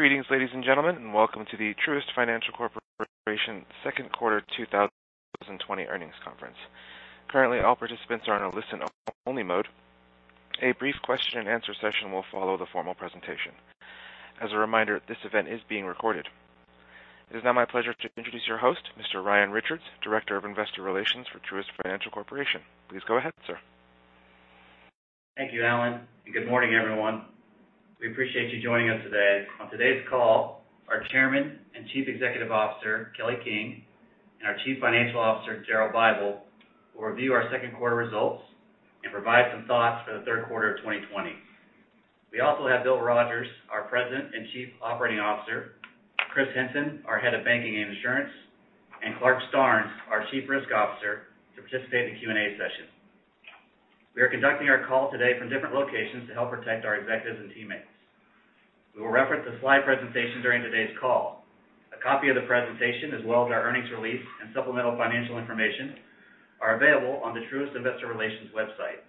Greetings, ladies and gentlemen, and welcome to the Truist Financial Corporation Second Quarter 2020 Earnings Conference. Currently, all participants are in a listen-only mode. A brief question and answer session will follow the formal presentation. As a reminder, this event is being recorded. It is now my pleasure to introduce your host, Mr. Ryan Richards, Director of Investor Relations for Truist Financial Corporation. Please go ahead, sir. Thank you, Alan, and good morning, everyone. We appreciate you joining us today. On today's call, our Chairman and Chief Executive Officer, Kelly King, and our Chief Financial Officer, Daryl Bible, will review our second quarter results and provide some thoughts for the third quarter of 2020. We also have Bill Rogers, our President and Chief Operating Officer, Christopher Henson, our Head of Banking and Insurance, and Clarke Starnes, our Chief Risk Officer, to participate in the Q&A session. We are conducting our call today from different locations to help protect our executives and teammates. We will reference a slide presentation during today's call. A copy of the presentation, as well as our earnings release and supplemental financial information, are available on the Truist Investor Relations website.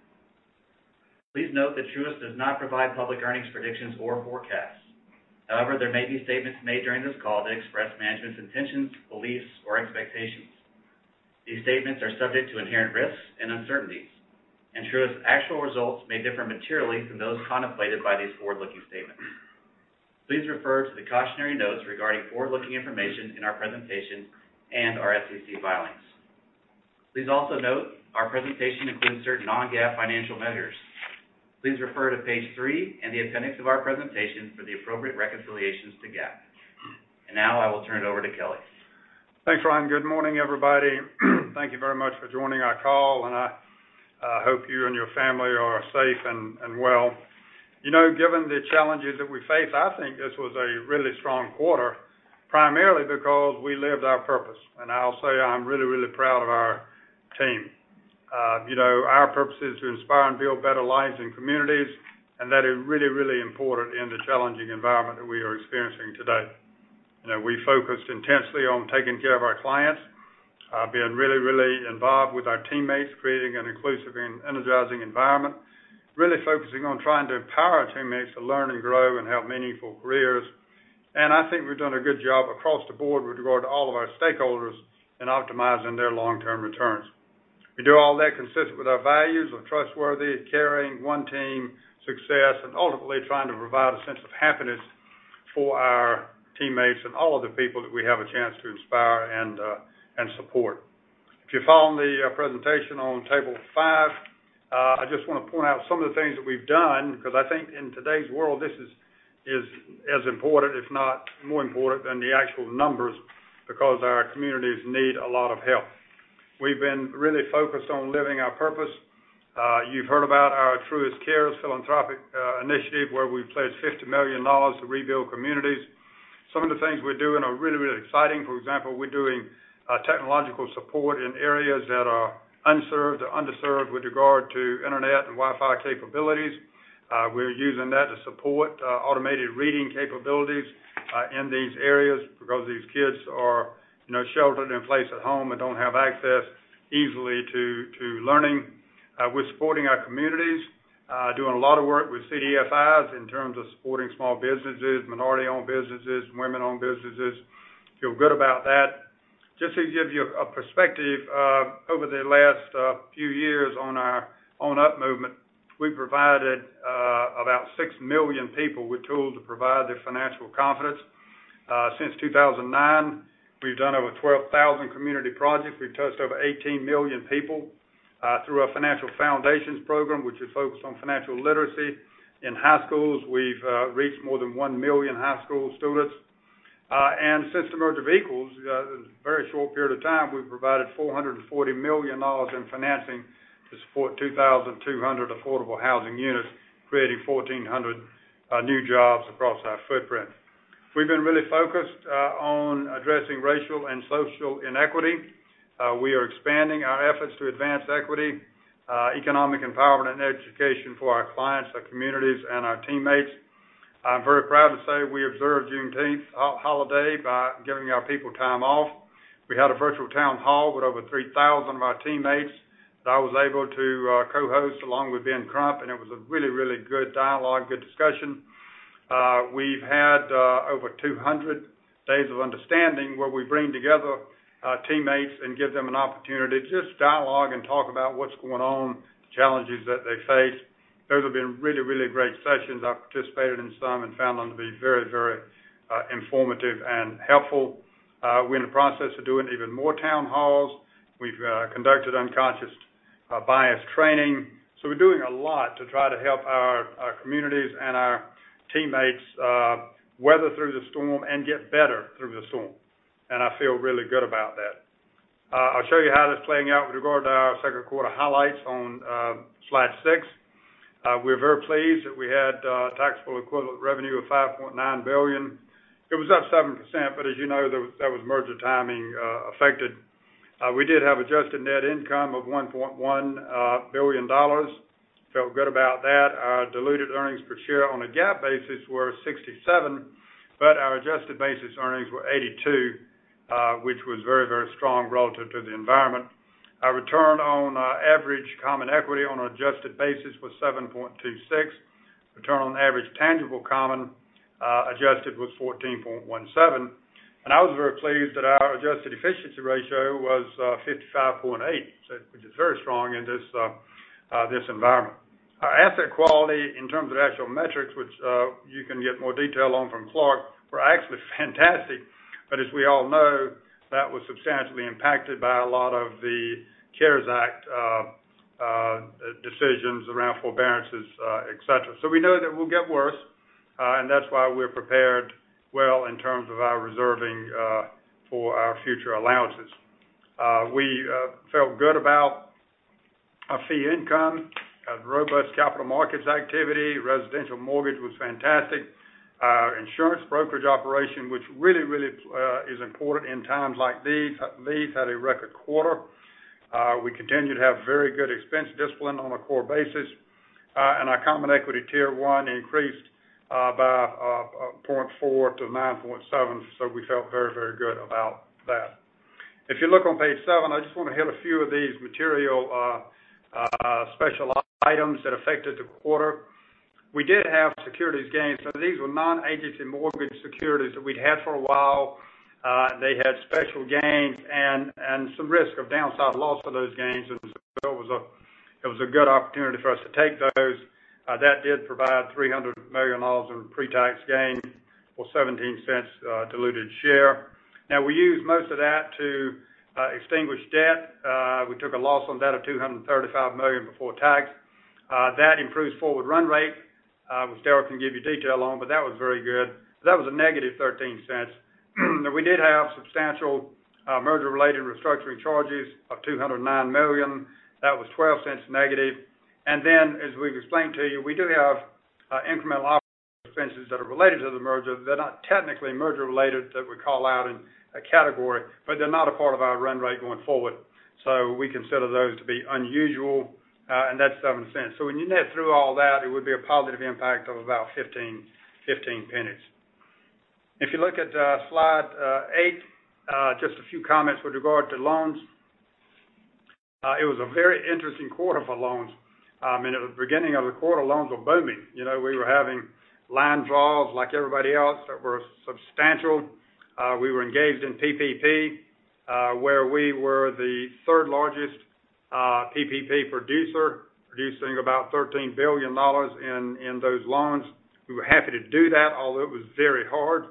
Please note that Truist does not provide public earnings predictions or forecasts. However, there may be statements made during this call that express management's intentions, beliefs, or expectations. These statements are subject to inherent risks and uncertainties, and Truist's actual results may differ materially from those contemplated by these forward-looking statements. Please refer to the cautionary notes regarding forward-looking information in our presentation and our SEC filings. Please also note our presentation includes certain non-GAAP financial measures. Please refer to page three in the appendix of our presentation for the appropriate reconciliations to GAAP. Now I will turn it over to Kelly. Thanks, Ryan. Good morning, everybody. Thank you very much for joining our call. I hope you and your family are safe and well. Given the challenges that we face, I think this was a really strong quarter, primarily because we lived our purpose. I'll say, I'm really proud of our team. Our purpose is to inspire and build better lives and communities, and that is really important in the challenging environment that we are experiencing today. We focused intensely on taking care of our clients, being really involved with our teammates, creating an inclusive and energizing environment, focusing on trying to empower our teammates to learn and grow and have meaningful careers. I think we've done a good job across the board with regard to all of our stakeholders in optimizing their long-term returns. We do all that consistent with our values of trustworthy, caring, one team, success, and ultimately trying to provide a sense of happiness for our teammates and all of the people that we have a chance to inspire and support. If you follow in the presentation on table five, I just want to point out some of the things that we've done because I think in today's world, this is as important, if not more important than the actual numbers because our communities need a lot of help. We've been really focused on living our purpose. You've heard about our Truist Cares philanthropic initiative, where we've pledged $50 million to rebuild communities. Some of the things we're doing are really, really exciting. For example, we're doing technological support in areas that are unserved or underserved with regard to internet and Wi-Fi capabilities. We're using that to support automated reading capabilities in these areas because these kids are sheltered in place at home and don't have access easily to learning. We're supporting our communities, doing a lot of work with CDFIs in terms of supporting small businesses, minority-owned businesses, and women-owned businesses. Feel good about that. Just to give you a perspective, over the last few years on our onUp Movement, we've provided about 6 million people with tools to provide their financial confidence. Since 2009, we've done over 12,000 community projects. We've touched over 18 million people through our Financial Foundations program, which is focused on financial literacy. In high schools, we've reached more than 1 million high school students. Since the merger of equals, in a very short period of time, we've provided $440 million in financing to support 2,200 affordable housing units, creating 1,400 new jobs across our footprint. We've been really focused on addressing racial and social inequity. We are expanding our efforts to advance equity, economic empowerment, and education for our clients, our communities, and our teammates. I'm very proud to say we observed Juneteenth holiday by giving our people time off. We had a virtual town hall with over 3,000 of our teammates that I was able to co-host along with Ben Crump, and it was a really good dialogue, good discussion. We've had over 200 Days of Understanding where we bring together our teammates and give them an opportunity to just dialogue and talk about what's going on, the challenges that they face. Those have been really great sessions. I've participated in some and found them to be very, very informative and helpful. We're in the process of doing even more town halls. We've conducted unconscious bias training. We're doing a lot to try to help our communities and our teammates weather through the storm and get better through the storm. I feel really good about that. I'll show you how that's playing out with regard to our second quarter highlights on slide six. We're very pleased that we had taxable equivalent revenue of $5.9 billion. It was up 7%, but as you know, that was merger timing affected. We did have adjusted net income of $1.1 billion. I felt good about that. Our diluted earnings per share on a GAAP basis were $0.67. Our adjusted basis earnings were $0.82, which was very strong relative to the environment. Our return on average common equity on an adjusted basis was 7.26%. Return on average tangible common, adjusted, was 14.17%. I was very pleased that our adjusted efficiency ratio was 55.8%, which is very strong in this environment. Our asset quality in terms of actual metrics, which you can get more detail on from Clarke, were actually fantastic. As we all know, that was substantially impacted by a lot of the CARES Act decisions around forbearances, et cetera. We know that will get worse, and that's why we're prepared well in terms of our reserving for our future allowances. We felt good about our fee income, had robust capital markets activity. Residential mortgage was fantastic. Our insurance brokerage operation, which really is important in times like these, had a record quarter. We continue to have very good expense discipline on a core basis. Our common equity Tier 1 increased by 0.4 to 9.7. We felt very good about that. If you look on page seven, I just want to hit a few of these material special items that affected the quarter. We did have securities gains. These were non-agency mortgage securities that we'd had for a while. They had special gains and some risk of downside loss of those gains. It was a good opportunity for us to take those. That did provide $300 million in pre-tax gain or $0.17 diluted share. Now, we used most of that to extinguish debt. We took a loss on that of $235 million before tax. That improves forward run rate, which Daryl can give you detail on. That was very good. That was a negative $0.13. We did have substantial merger-related restructuring charges of $209 million. That was $0.12 negative. As we've explained to you, we do have incremental expenses that are related to the merger. They're not technically merger-related that we call out in a category, but they're not a part of our run rate going forward. We consider those to be unusual, and that's $0.07. When you net through all that, it would be a positive impact of about $0.15. If you look at slide eight, just a few comments with regard to loans. It was a very interesting quarter for loans. At the beginning of the quarter, loans were booming. We were having line draws like everybody else that were substantial. We were engaged in PPP, where we were the third-largest PPP producer, producing about $13 billion in those loans. We were happy to do that, although it was very hard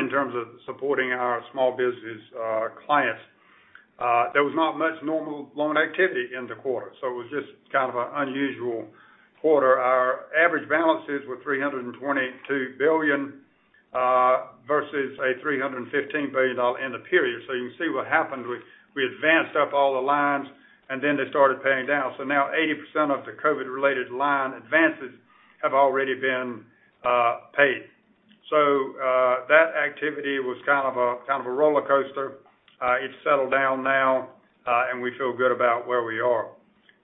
in terms of supporting our small business clients. There was not much normal loan activity in the quarter, so it was just kind of an unusual quarter. Our average balances were $322 billion versus a $315 billion end of period. You can see what happened. We advanced up all the lines and then they started paying down. Now 80% of the COVID-related line advances have already been paid. That activity was kind of a roller coaster. It's settled down now, and we feel good about where we are.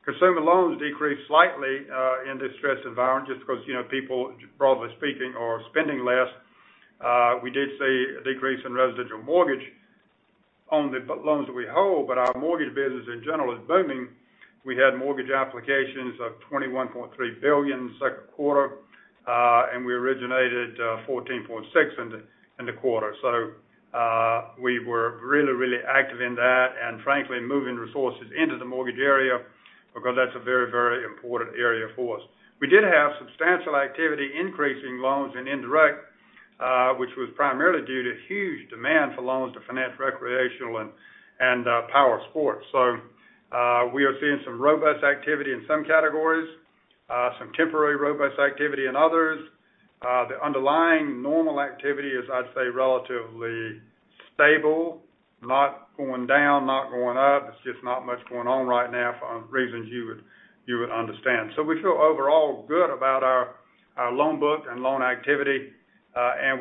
Consumer loans decreased slightly in this stress environment just because people, broadly speaking, are spending less. We did see a decrease in residential mortgage on the loans that we hold, but our mortgage business in general is booming. We had mortgage applications of $21.3 billion second quarter, and we originated $14.6 billion in the quarter. We were really, really active in that and frankly, moving resources into the mortgage area because that's a very, very important area for us. We did have substantial activity increasing loans in indirect, which was primarily due to huge demand for loans to finance recreational and power sports. We are seeing some robust activity in some categories, some temporary robust activity in others. The underlying normal activity is, I'd say, relatively stable, not going down, not going up. It's just not much going on right now for reasons you would understand. We feel overall good about our loan book and loan activity.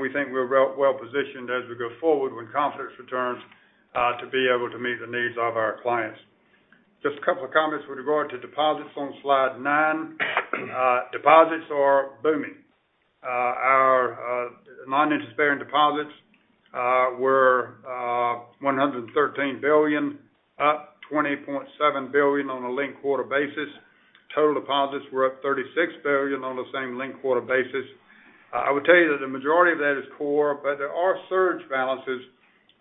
We think we're well-positioned as we go forward when confidence returns, to be able to meet the needs of our clients. Just a couple of comments with regard to deposits on slide nine. Deposits are booming. Our non-interest bearing deposits were $113 billion, up $20.7 billion on a linked quarter basis. Total deposits were up $36 billion on the same linked quarter basis. I would tell you that the majority of that is core, but there are surge balances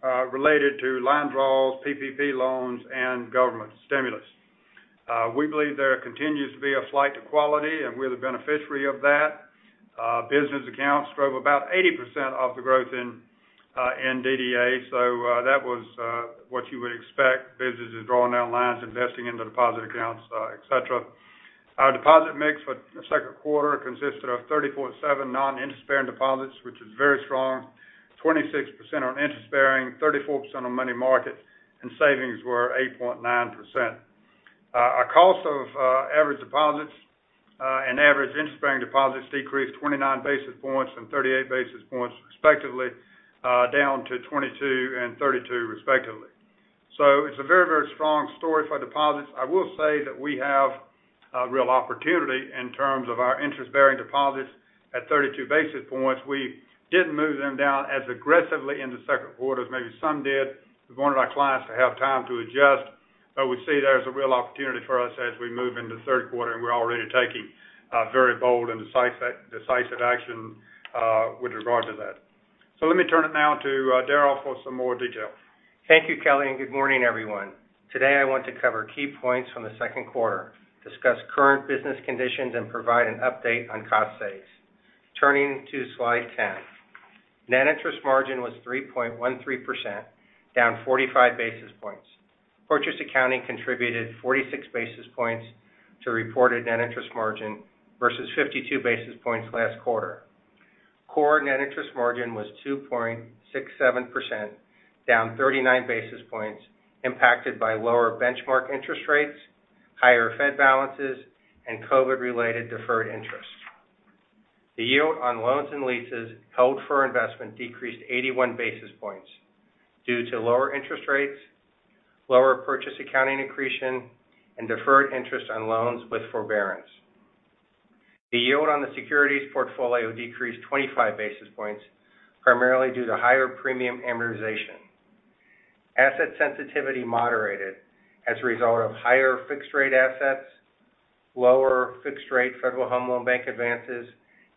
related to line draws, PPP loans, and government stimulus. We believe there continues to be a flight to quality, and we're the beneficiary of that. Business accounts drove about 80% of the growth in DDA, so that was what you would expect, businesses drawing down lines, investing into deposit accounts, et cetera. Our deposit mix for the second quarter consisted of 34.7 non-interest bearing deposits, which is very strong, 26% on interest bearing, 34% on money market, and savings were 8.9%. Our cost of average deposits and average interest-bearing deposits decreased 29 basis points and 38 basis points respectively, down to 22 and 32 respectively. It's a very, very strong story for deposits. I will say that we have a real opportunity in terms of our interest-bearing deposits at 32 basis points. We didn't move them down as aggressively in the second quarter as maybe some did. We wanted our clients to have time to adjust. We see there's a real opportunity for us as we move into the third quarter, and we're already taking very bold and decisive action with regard to that. Let me turn it now to Daryl for some more detail. Thank you, Kelly, and good morning, everyone. Today I want to cover key points from the second quarter, discuss current business conditions, and provide an update on cost saves. Turning to slide 10. Net interest margin was 3.13%, down 45 basis points. Purchase accounting contributed 46 basis points to reported net interest margin versus 52 basis points last quarter. Core net interest margin was 2.67%, down 39 basis points, impacted by lower benchmark interest rates, higher Fed balances, and COVID-related deferred interest. The yield on loans and leases held for investment decreased 81 basis points due to lower interest rates, lower purchase accounting accretion, and deferred interest on loans with forbearance. The yield on the securities portfolio decreased 25 basis points, primarily due to higher premium amortization. Asset sensitivity moderated as a result of higher fixed rate assets, lower fixed rate Federal Home Loan Bank advances,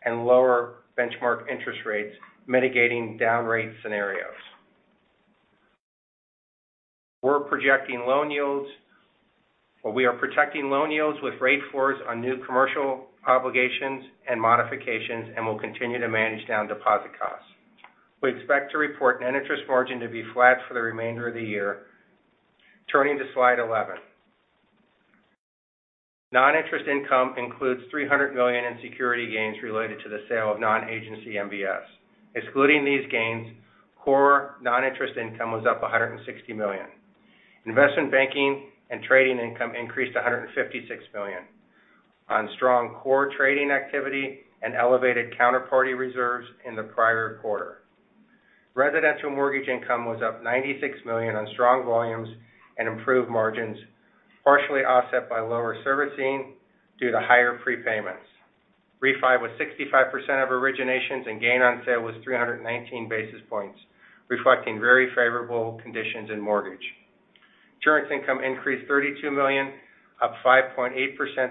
and lower benchmark interest rates mitigating down rate scenarios. We are protecting loan yields with rate floors on new commercial obligations and modifications and will continue to manage down deposit costs. We expect to report net interest margin to be flat for the remainder of the year. Turning to slide 11. Non-interest income includes $300 million in security gains related to the sale of non-agency MBS. Excluding these gains, core non-interest income was up $160 million. Investment banking and trading income increased to $156 million on strong core trading activity and elevated counterparty reserves in the prior quarter. Residential mortgage income was up $96 million on strong volumes and improved margins, partially offset by lower servicing due to higher prepayments. Refi was 65% of originations and gain on sale was 319 basis points, reflecting very favorable conditions in mortgage. Insurance income increased $32 million, up 5.8%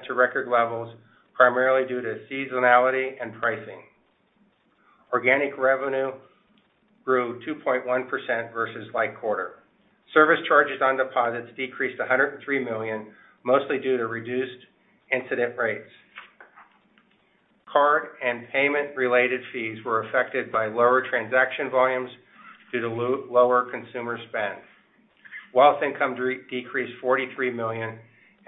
to record levels, primarily due to seasonality and pricing. Organic revenue grew 2.1% versus like quarter. Service charges on deposits decreased to $103 million, mostly due to reduced incident rates. Card and payment-related fees were affected by lower transaction volumes due to lower consumer spend. Wealth income decreased $43 million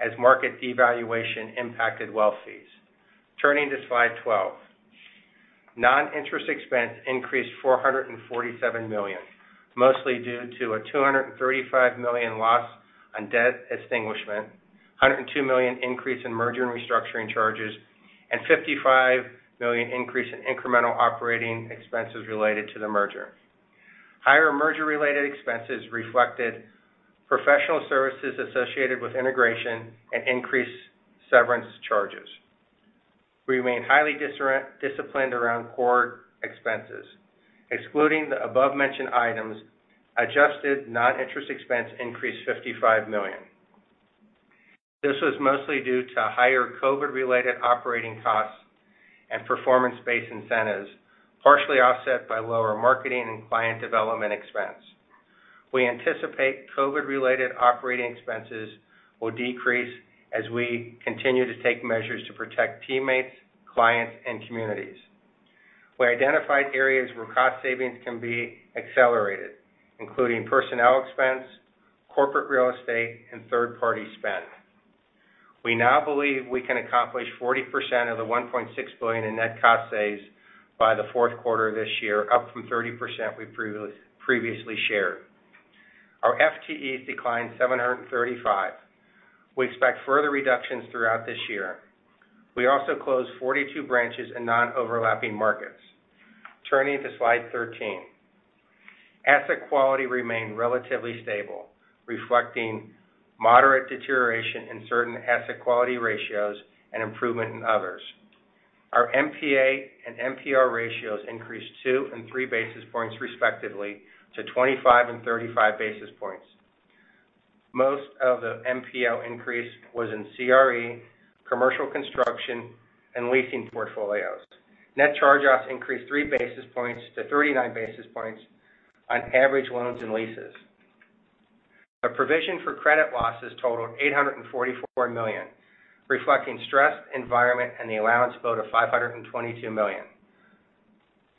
as market devaluation impacted wealth fees. Turning to slide 12. Non-interest expense increased $447 million, mostly due to a $235 million loss on debt extinguishment, $102 million increase in merger and restructuring charges, and $55 million increase in incremental operating expenses related to the merger. Higher merger-related expenses reflected professional services associated with integration and increased severance charges. Remain highly disciplined around core expenses. Excluding the above-mentioned items, adjusted non-interest expense increased $55 million. This was mostly due to higher COVID-related operating costs and performance-based incentives, partially offset by lower marketing and client development expense. We anticipate COVID-related operating expenses will decrease as we continue to take measures to protect teammates, clients, and communities. We identified areas where cost savings can be accelerated, including personnel expense, corporate real estate, and third-party spend. We now believe we can accomplish 40% of the $1.6 billion in net cost saves by the fourth quarter of this year, up from 30% we previously shared. Our FTEs declined 735. We expect further reductions throughout this year. We also closed 42 branches in non-overlapping markets. Turning to slide 13. Asset quality remained relatively stable, reflecting moderate deterioration in certain asset quality ratios and improvement in others. Our NPA and NPL ratios increased two and three basis points respectively to 25 and 35 basis points. Most of the NPL increase was in CRE, commercial construction, and leasing portfolios. Net charge-offs increased three basis points to 39 basis points on average loans and leases. Our provision for credit losses totaled $844 million, reflecting stressed environment and the allowance build of $522 million.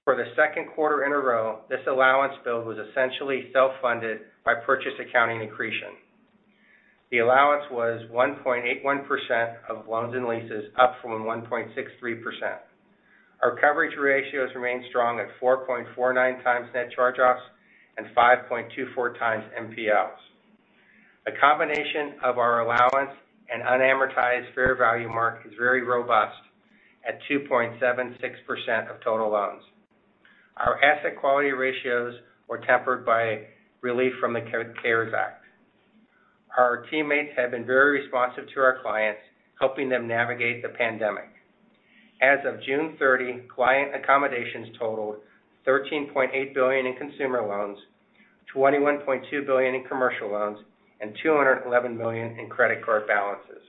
For the second quarter in a row, this allowance build was essentially self-funded by purchase accounting accretion. The allowance was 1.81% of loans and leases, up from 1.63%. Our coverage ratios remain strong at 4.49 times net charge-offs and 5.24 times NPLs. A combination of our allowance and unamortized fair value mark is very robust at 2.76% of total loans. Our asset quality ratios were tempered by relief from the CARES Act. Our teammates have been very responsive to our clients, helping them navigate the pandemic. As of June 30, client accommodations totaled $13.8 billion in consumer loans, $21.2 billion in commercial loans, and $211 million in credit card balances.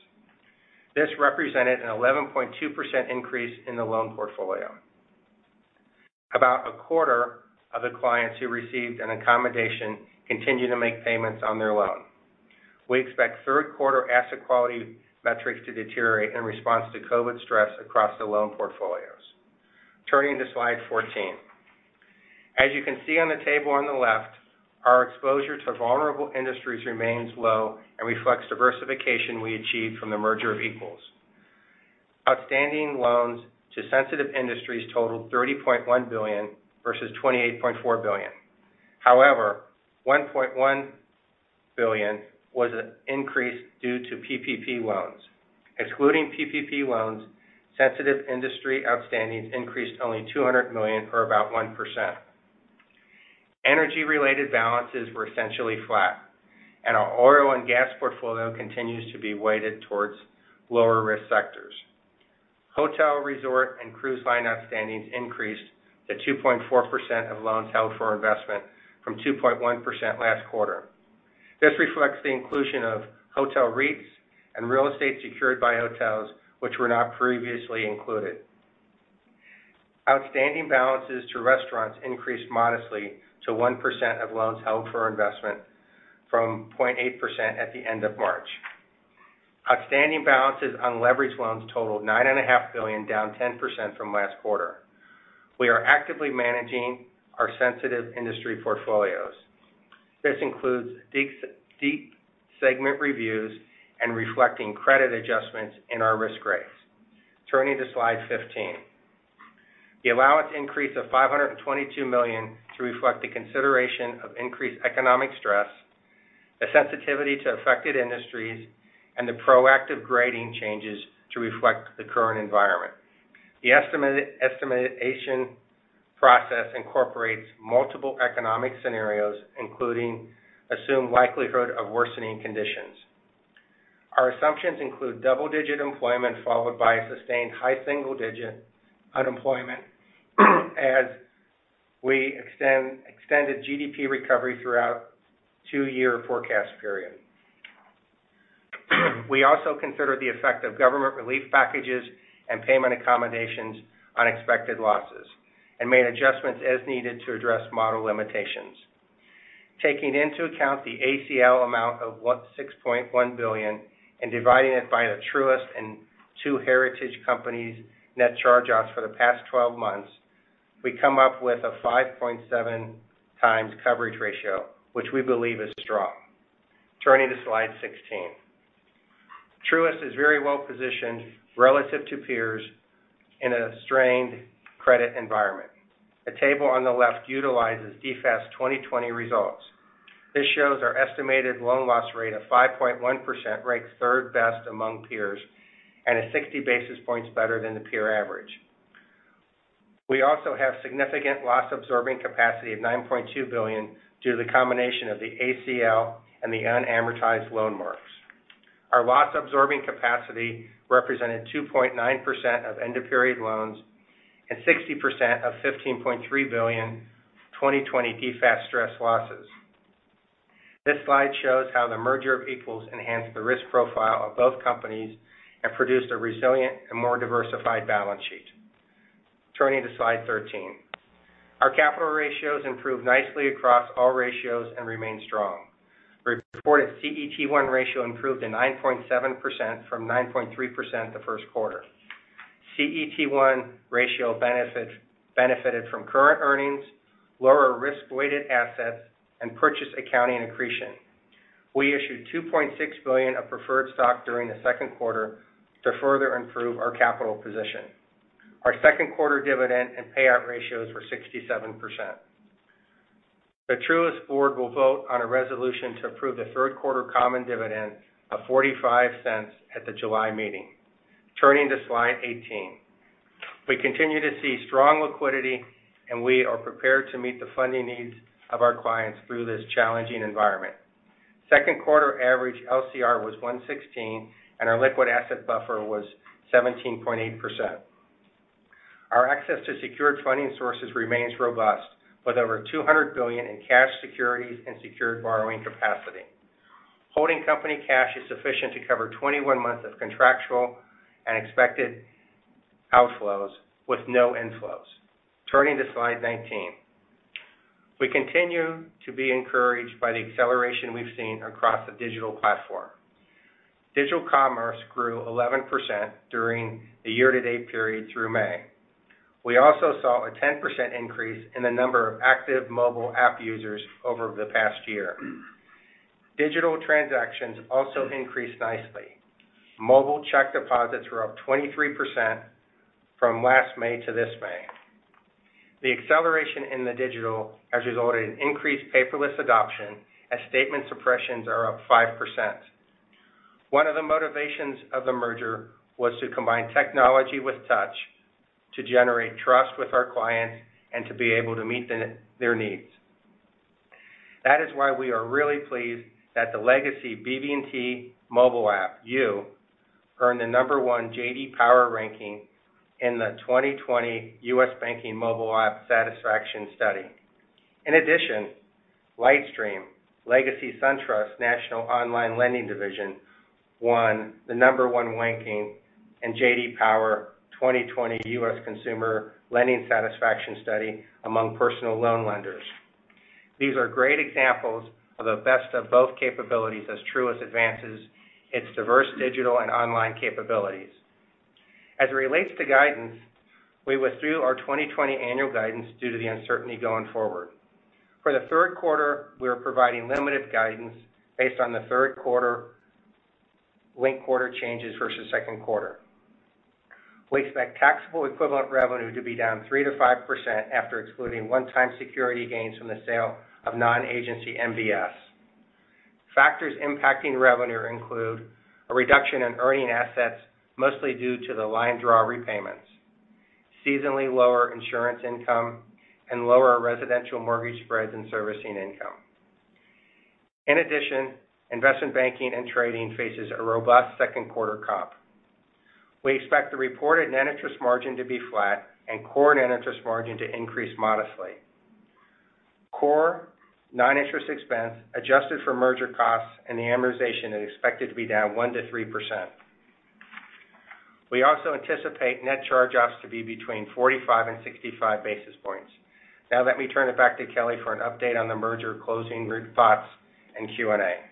This represented an 11.2% increase in the loan portfolio. About a quarter of the clients who received an accommodation continue to make payments on their loan. We expect third quarter asset quality metrics to deteriorate in response to COVID stress across the loan portfolios. Turning to slide 14. As you can see on the table on the left, our exposure to vulnerable industries remains low and reflects diversification we achieved from the merger of equals. Outstanding loans to sensitive industries totaled $30.1 billion versus $28.4 billion. However, $1.1 billion was an increase due to PPP loans. Excluding PPP loans, sensitive industry outstandings increased only $200 million, or about 1%. Energy-related balances were essentially flat, and our oil and gas portfolio continues to be weighted towards lower-risk sectors. Hotel, resort, and cruise line outstandings increased to 2.4% of loans held for investment from 2.1% last quarter. This reflects the inclusion of hotel REITs and real estate secured by hotels, which were not previously included. Outstanding balances to restaurants increased modestly to 1% of loans held for investment from 0.8% at the end of March. Outstanding balances on leveraged loans totaled nine and a half billion, down 10% from last quarter. We are actively managing our sensitive industry portfolios. This includes deep segment reviews and reflecting credit adjustments in our risk grades. Turning to slide 15. The allowance increase of $522 million to reflect the consideration of increased economic stress, the sensitivity to affected industries, and the proactive grading changes to reflect the current environment. The estimation process incorporates multiple economic scenarios, including assumed likelihood of worsening conditions. Our assumptions include double-digit employment followed by a sustained high single-digit unemployment as we extend a GDP recovery throughout two-year forecast period. We also consider the effect of government relief packages and payment accommodations on expected losses and made adjustments as needed to address model limitations. Taking into account the ACL amount of $6.1 billion and dividing it by the Truist and two Heritage companies' net charge-offs for the past 12 months, we come up with a 5.7 times coverage ratio, which we believe is strong. Turning to slide 16. Truist is very well-positioned relative to peers in a strained credit environment. The table on the left utilizes DFAST 2020 results. This shows our estimated loan loss rate of 5.1% ranks third best among peers and is 60 basis points better than the peer average. We also have significant loss-absorbing capacity of $9.2 billion due to the combination of the ACL and the unamortized loan marks. Our loss-absorbing capacity represented 2.9% of end-of-period loans and 60% of $15.3 billion 2020 DFAST stress losses. This slide shows how the merger of equals enhanced the risk profile of both companies and produced a resilient and more diversified balance sheet. Turning to slide 13. Our capital ratios improved nicely across all ratios and remain strong. Reported CET1 ratio improved to 9.7% from 9.3% the first quarter. CET1 ratio benefited from current earnings, lower risk-weighted assets, and purchase accounting accretion. We issued $2.6 billion of preferred stock during the second quarter to further improve our capital position. Our second quarter dividend and payout ratios were 67%. The Truist board will vote on a resolution to approve the third quarter common dividend of $0.45 at the July meeting. Turning to slide 18. We continue to see strong liquidity, and we are prepared to meet the funding needs of our clients through this challenging environment. Second quarter average LCR was 116, and our liquid asset buffer was 17.8%. Our access to secured funding sources remains robust, with over $200 billion in cash securities and secured borrowing capacity. Holding company cash is sufficient to cover 21 months of contractual and expected outflows with no inflows. Turning to slide 19. We continue to be encouraged by the acceleration we've seen across the digital platform. Digital commerce grew 11% during the year-to-date period through May. We also saw a 10% increase in the number of active mobile app users over the past year. Digital transactions also increased nicely. Mobile check deposits were up 23% from last May to this May. The acceleration in the digital has resulted in increased paperless adoption, as statement suppressions are up 5%. One of the motivations of the merger was to combine technology with touch to generate trust with our clients and to be able to meet their needs. That is why we are really pleased that the legacy BB&T mobile app, U by BB&T, earned the number 1 JD Power ranking in the 2020 U.S. Banking Mobile App Satisfaction Study. In addition, LightStream, Heritage SunTrust's national online lending division, won the number 1 ranking in JD Power 2020 U.S. Consumer Lending Satisfaction Study among personal loan lenders. These are great examples of the best of both capabilities as Truist advances its diverse digital and online capabilities. As it relates to guidance, we withdrew our 2020 annual guidance due to the uncertainty going forward. For the third quarter, we're providing limited guidance based on the third quarter link quarter changes versus second quarter. We expect taxable equivalent revenue to be down 3%-5% after excluding one-time security gains from the sale of non-agency MBS. Factors impacting revenue include a reduction in earning assets, mostly due to the line draw repayments, seasonally lower insurance income, and lower residential mortgage spreads and servicing income. In addition, investment banking and trading faces a robust second quarter comp. We expect the reported net interest margin to be flat and core net interest margin to increase modestly. Core non-interest expense adjusted for merger costs and the amortization is expected to be down 1%-3%. We also anticipate net charge-offs to be between 45 and 65 basis points. Now let me turn it back to Kelly for an update on the merger closing thoughts and Q&A.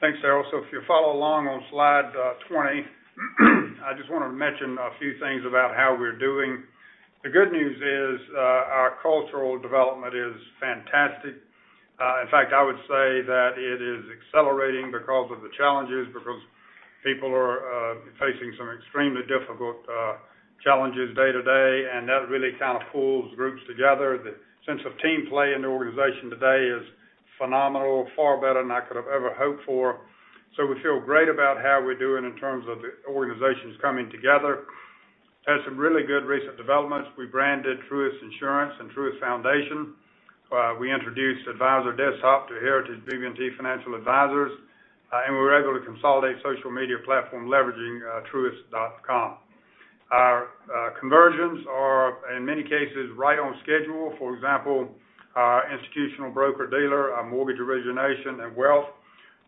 Thanks, Daryl. If you follow along on slide 20, I just want to mention a few things about how we're doing. The good news is our cultural development is fantastic. In fact, I would say that it is accelerating because of the challenges because people are facing some extremely difficult challenges day to day, and that really kind of pulls groups together. The sense of team play in the organization today is phenomenal. Far better than I could have ever hoped for. We feel great about how we're doing in terms of the organizations coming together. We had some really good recent developments. We branded Truist Insurance and Truist Foundation. We introduced Advisor Desktop to Heritage BB&T financial advisors. We were able to consolidate social media platform leveraging truist.com. Our conversions are in many cases right on schedule. For example, our institutional broker-dealer, our mortgage origination, and wealth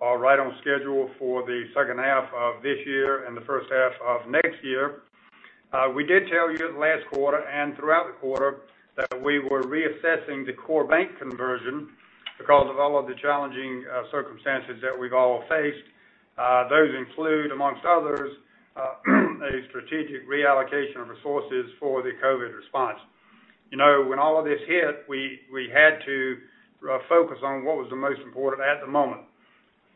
are right on schedule for the second half of this year and the first half of next year. We did tell you last quarter and throughout the quarter that we were reassessing the core bank conversion because of all of the challenging circumstances that we've all faced. Those include, amongst others, a strategic reallocation of resources for the COVID response. When all of this hit, we had to focus on what was the most important at the moment.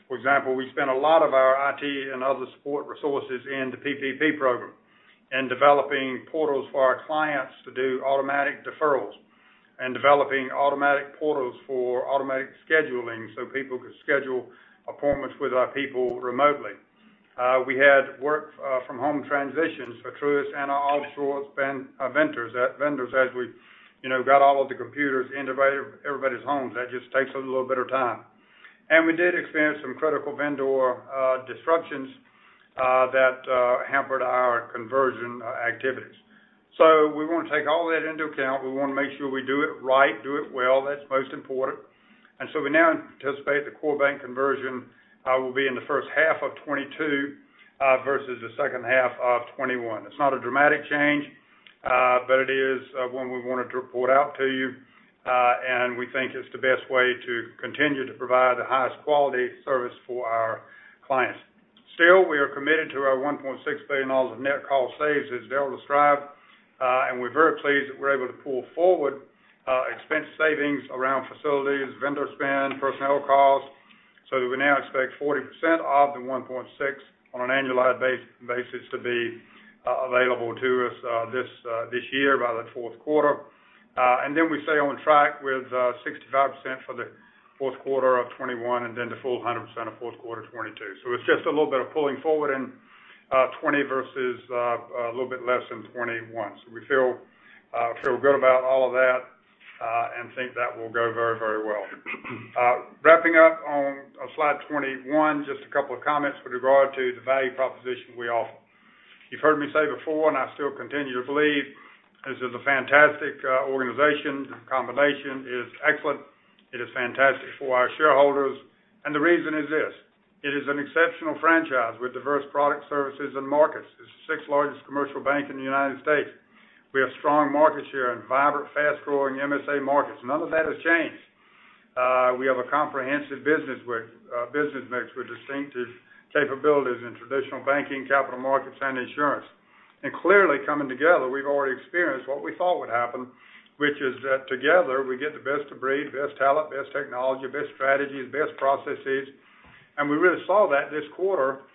For example, we spent a lot of our IT and other support resources in the PPP program and developing portals for our clients to do automatic deferrals and developing automatic portals for automatic scheduling so people could schedule appointments with our people remotely. We had work from home transitions for Truist and our offshore vendors as we got all of the computers into everybody's homes. That just takes a little bit of time. We did experience some critical vendor disruptions that hampered our conversion activities. We want to take all of that into account. We want to make sure we do it right, do it well. That's most important. We now anticipate the core bank conversion will be in the first half of 2022 versus the second half of 2021. It's not a dramatic change, but it is one we wanted to report out to you. We think it's the best way to continue to provide the highest quality service for our clients. Still, we are committed to our $1.6 billion of net cost saves, as Daryl described. We're very pleased that we're able to pull forward expense savings around facilities, vendor spend, personnel costs. That we now expect 40% of the $1.6 on an annualized basis to be available to us this year by the fourth quarter. We stay on track with 65% for the fourth quarter of 2021 and the full 100% of fourth quarter 2022. It's just a little bit of pulling forward in 2020 versus a little bit less in 2021. We feel good about all of that and think that will go very well. Wrapping up on slide 21, just a couple of comments with regard to the value proposition we offer. You've heard me say before, and I still continue to believe this is a fantastic organization. The combination is excellent. It is fantastic for our shareholders. The reason is this: It is an exceptional franchise with diverse products, services, and markets. It's the sixth largest commercial bank in the U.S. We have strong market share and vibrant, fast-growing MSA markets. None of that has changed. We have a comprehensive business mix with distinctive capabilities in traditional banking, capital markets, and insurance. Clearly coming together, we've already experienced what we thought would happen, which is that together we get the best of breed, best talent, best technology, best strategies, best processes. We really saw that this quarter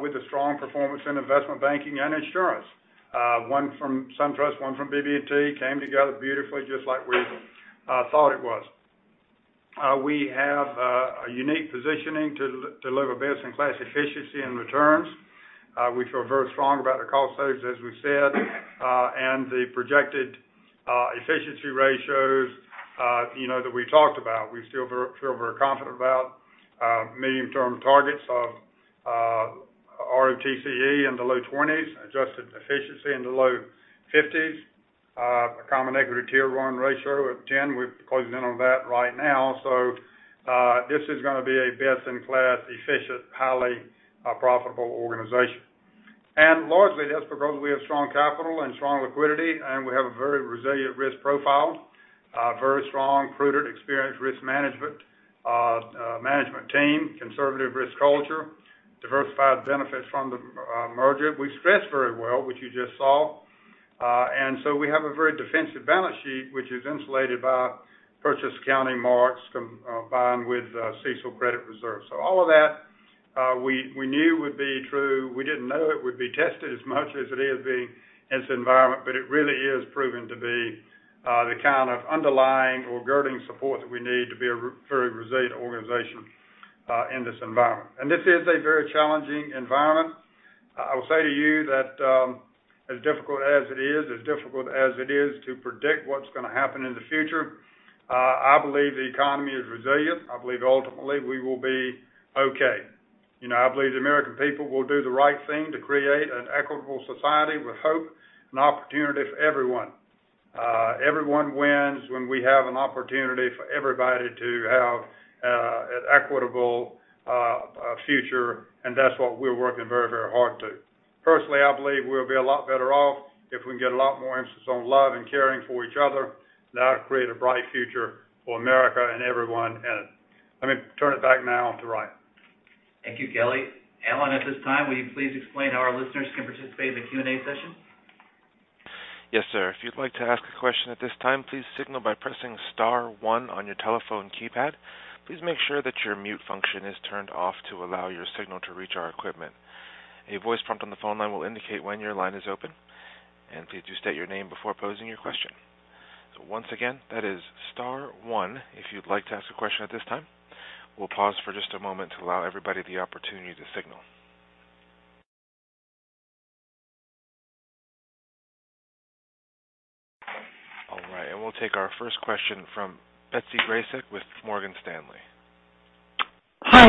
with a strong performance in investment banking and insurance. One from SunTrust, one from BB&T came together beautifully, just like we thought it was. We have a unique positioning to deliver best-in-class efficiency and returns. We feel very strong about the cost saves, as we said, and the projected efficiency ratios that we talked about. We feel very confident about medium-term targets of ROTCE in the low 20s, adjusted efficiency in the low 50s, a common equity Tier 1 ratio of 10. We're closing in on that right now. This is going to be a best-in-class, efficient, highly profitable organization. Largely, that's because we have strong capital and strong liquidity, and we have a very resilient risk profile, very strong, prudent, experienced risk management team, conservative risk culture, diversified benefits from the merger. We stressed very well, which you just saw. We have a very defensive balance sheet, which is insulated by purchase accounting marks combined with CECL credit reserves. All of that we knew would be true. We didn't know it would be tested as much as it is being in this environment, but it really is proving to be the kind of underlying or girding support that we need to be a very resilient organization in this environment. This is a very challenging environment. I will say to you that as difficult as it is to predict what's going to happen in the future, I believe the economy is resilient. I believe ultimately we will be okay. I believe the American people will do the right thing to create an equitable society with hope and opportunity for everyone. Everyone wins when we have an opportunity for everybody to have an equitable future, and that's what we're working very hard to. Personally, I believe we'll be a lot better off if we can get a lot more emphasis on love and caring for each other. That'll create a bright future for America and everyone in it. Let me turn it back now to Ryan. Thank you, Kelly. Alan, at this time, will you please explain how our listeners can participate in the Q&A session? Yes, sir. If you'd like to ask a question at this time, please signal by pressing star 1 on your telephone keypad. Please make sure that your mute function is turned off to allow your signal to reach our equipment. A voice prompt on the phone line will indicate when your line is open. Please do state your name before posing your question. Once again, that is star 1 if you'd like to ask a question at this time. We'll pause for just a moment to allow everybody the opportunity to signal. We'll take our first question from Betsy Graseck with Morgan Stanley. Hi.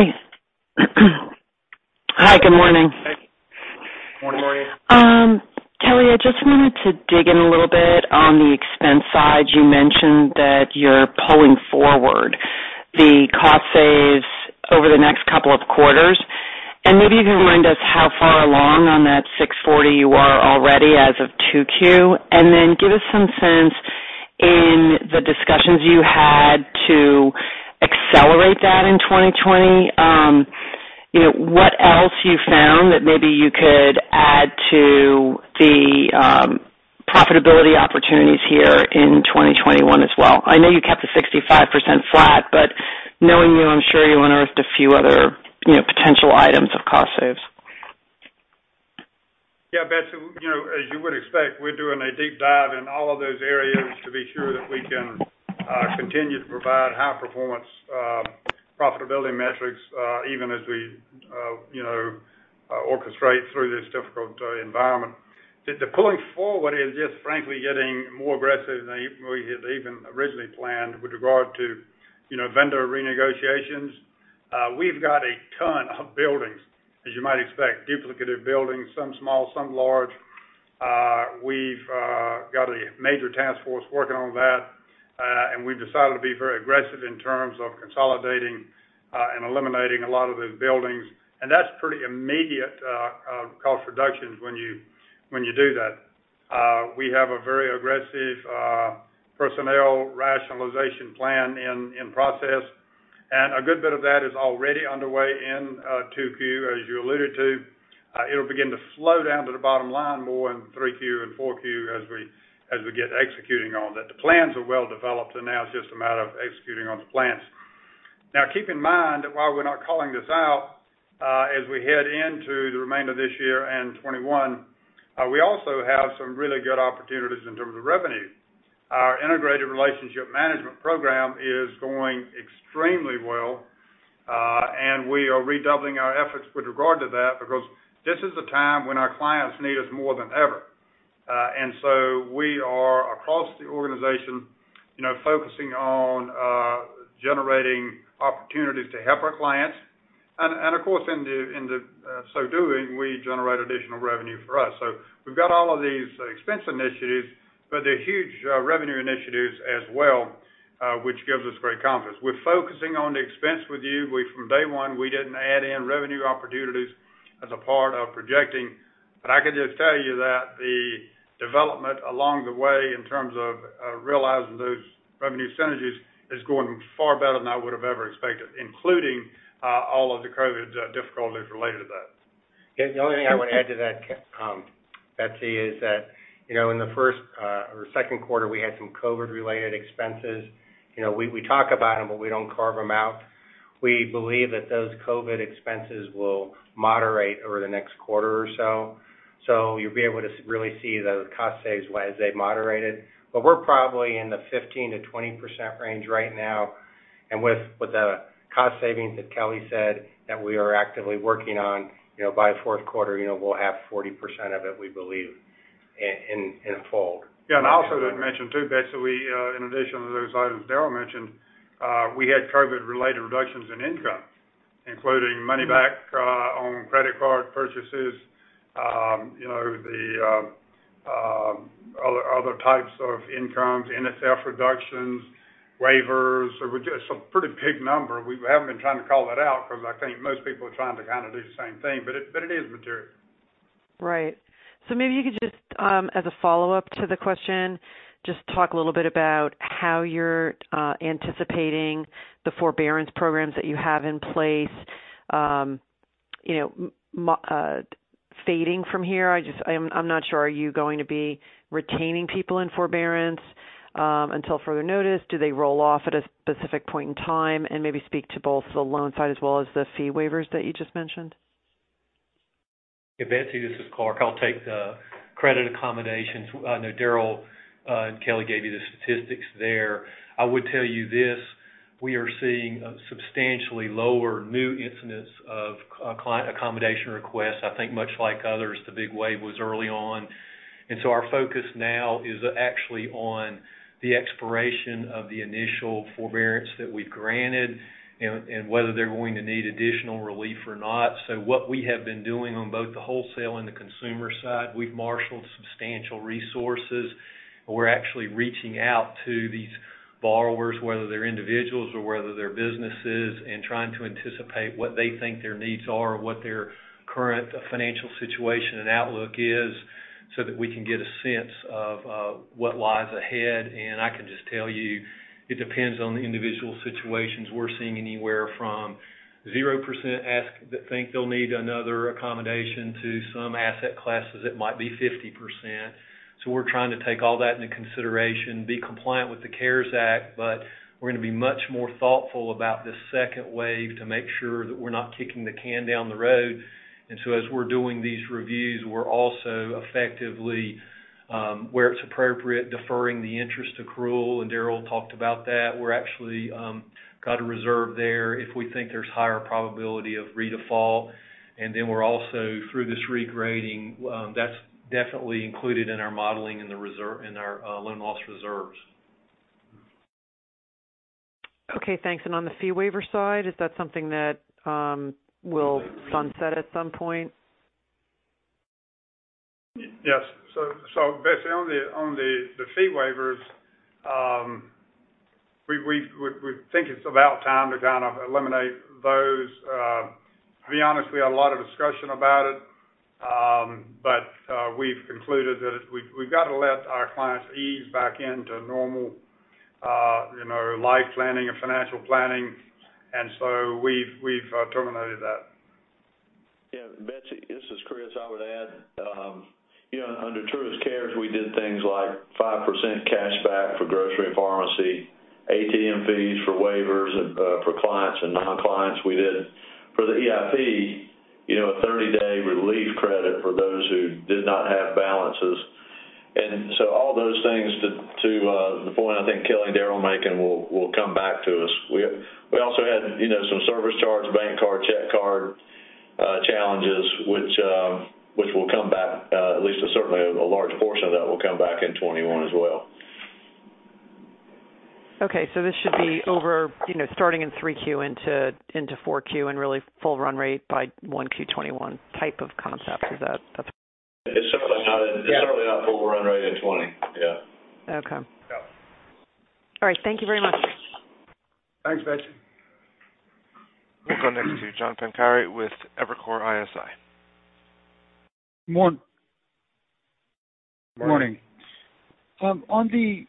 Hi, good morning. Morning. Kelly, I just wanted to dig in a little bit on the expense side. You mentioned that you're pulling forward the cost saves over the next couple of quarters, and maybe you can remind us how far along on that $640 you are already as of Q2. Give us some sense in the discussions you had to accelerate that in 2020. What else you found that maybe you could add to the profitability opportunities here in 2021 as well? I know you kept the 65% flat, but knowing you, I'm sure you unearthed a few other potential items of cost saves. Betsy, as you would expect, we're doing a deep dive in all of those areas to be sure that we can continue to provide high performance profitability metrics even as we orchestrate through this difficult environment. The pulling forward is just frankly getting more aggressive than we had even originally planned with regard to vendor renegotiations. We've got a ton of buildings, as you might expect, duplicative buildings, some small, some large. We've got a major task force working on that. We've decided to be very aggressive in terms of consolidating and eliminating a lot of those buildings. That's pretty immediate cost reductions when you do that. We have a very aggressive personnel rationalization plan in process, and a good bit of that is already underway in Q2, as you alluded to. It'll begin to flow down to the bottom line more in Q3 and Q4 as we get executing on that. The plans are well developed, and now it's just a matter of executing on the plans. Keep in mind that while we're not calling this out as we head into the remainder of this year and 2021, we also have some really good opportunities in terms of revenue. Our integrated relationship management program is going extremely well. We are redoubling our efforts with regard to that because this is a time when our clients need us more than ever. We are, across the organization, focusing on generating opportunities to help our clients. Of course, in so doing, we generate additional revenue for us. We've got all of these expense initiatives, but they're huge revenue initiatives as well, which gives us great confidence. We're focusing on the expense with you. From day one, we didn't add in revenue opportunities as a part of projecting. I can just tell you that the development along the way in terms of realizing those revenue synergies is going far better than I would've ever expected, including all of the COVID difficulties related to that. The only thing I want to add to that, Betsy, is that in the first or second quarter, we had some COVID-related expenses. We talk about them, but we don't carve them out. We believe that those COVID expenses will moderate over the next quarter or so. You'll be able to really see those cost saves as they've moderated. We're probably in the 15%-20% range right now. With the cost savings that Kelly said that we are actively working on, by the fourth quarter, we'll have 40% of it, we believe, in fold. Yeah. I also would mention too, Betsy, in addition to those items Daryl mentioned, we had COVID-related reductions in income, including money back on credit card purchases, other types of incomes, NSF reductions, waivers. It's a pretty big number. We haven't been trying to call that out because I think most people are trying to kind of do the same thing, but it is material. Right. Maybe you could just, as a follow-up to the question, just talk a little bit about how you're anticipating the forbearance programs that you have in place fading from here. I'm not sure, are you going to be retaining people in forbearance until further notice? Do they roll off at a specific point in time? Maybe speak to both the loan side as well as the fee waivers that you just mentioned. Yeah, Betsy, this is Clarke. I'll take the credit accommodations. I know Daryl and Kelly gave you the statistics there. I would tell you this, we are seeing a substantially lower new incidence of client accommodation requests. I think much like others, the big wave was early on. Our focus now is actually on the expiration of the initial forbearance that we've granted and whether they're going to need additional relief or not. What we have been doing on both the wholesale and the consumer side, we've marshaled substantial resources. We're actually reaching out to these borrowers, whether they're individuals or whether they're businesses, and trying to anticipate what they think their needs are or what their current financial situation and outlook is, so that we can get a sense of what lies ahead. I can just tell you, it depends on the individual situations. We're seeing anywhere from 0% think they'll need another accommodation to some asset classes, it might be 50%. We're trying to take all that into consideration, be compliant with the CARES Act, but we're going to be much more thoughtful about this second wave to make sure that we're not kicking the can down the road. As we're doing these reviews, we're also effectively, where it's appropriate, deferring the interest accrual, and Daryl talked about that. We're actually got a reserve there if we think there's higher probability of redefault. We're also through this regrading, that's definitely included in our modeling in our loan loss reserves. Okay, thanks. On the fee waiver side, is that something that will sunset at some point? Yes. Betsy, on the fee waivers, we think it's about time to kind of eliminate those. To be honest, we had a lot of discussion about it, but we've concluded that we've got to let our clients ease back into normal life planning and financial planning. We've terminated that. Yeah, Betsy, this is Chris. I would add, under Truist Cares, we did things like 5% cash back for grocery and pharmacy, ATM fees for waivers for clients and non-clients. We did for the EIP, a 30-day relief credit for those who did not have balances. All those things to the point I think Kelly and Daryl are making will come back to us. We also had some service charge, bank card, check card challenges, which will come back, at least a certainly a large portion of that will come back in 2021 as well. Okay. This should be starting in 3Q into 4Q and really full run rate by 1Q 2021 type of concept. It's certainly not full run rate in 2020. Yeah. Okay. No. All right. Thank you very much. Thanks, Betsy. We'll go next to Gerard Cassidy with Evercore ISI. Morning. Morning. Morning. On the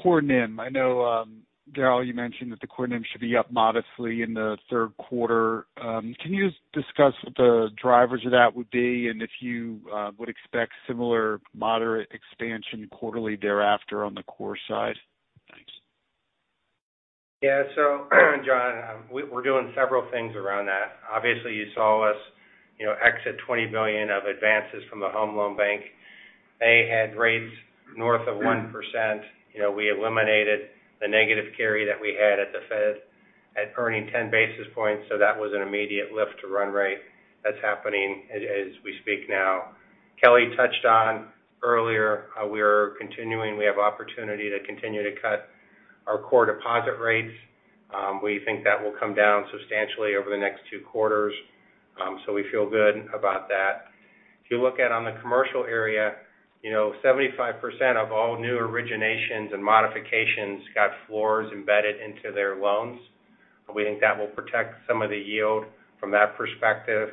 core NIM, I know, Daryl, you mentioned that the core NIM should be up modestly in the third quarter. Can you just discuss what the drivers of that would be and if you would expect similar moderate expansion quarterly thereafter on the core side? Thanks. Yeah. John, we're doing several things around that. Obviously, you saw us exit $20 billion of advances from the Home Loan Bank. They had rates north of 1%. We eliminated the negative carry that we had at the Fed at earning 10 basis points, that was an immediate lift to run rate. That's happening as we speak now. Kelly touched on earlier, we have opportunity to continue to cut our core deposit rates. We think that will come down substantially over the next 2 quarters. We feel good about that. If you look at on the commercial area, 75% of all new originations and modifications got floors embedded into their loans. We think that will protect some of the yield from that perspective.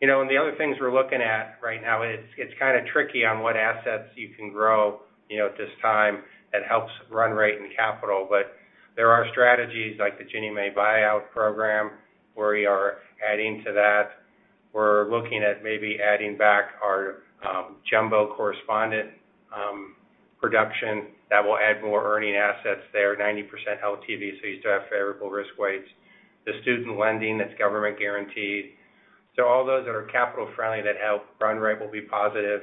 The other things we're looking at right now, it's kind of tricky on what assets you can grow at this time that helps run rate and capital. There are strategies like the Ginnie Mae buyout program where we are adding to that. We're looking at maybe adding back our jumbo correspondent production that will add more earning assets there, 90% LTV, you still have favorable risk weights. The student lending that's government guaranteed. All those that are capital friendly that help run rate will be positive.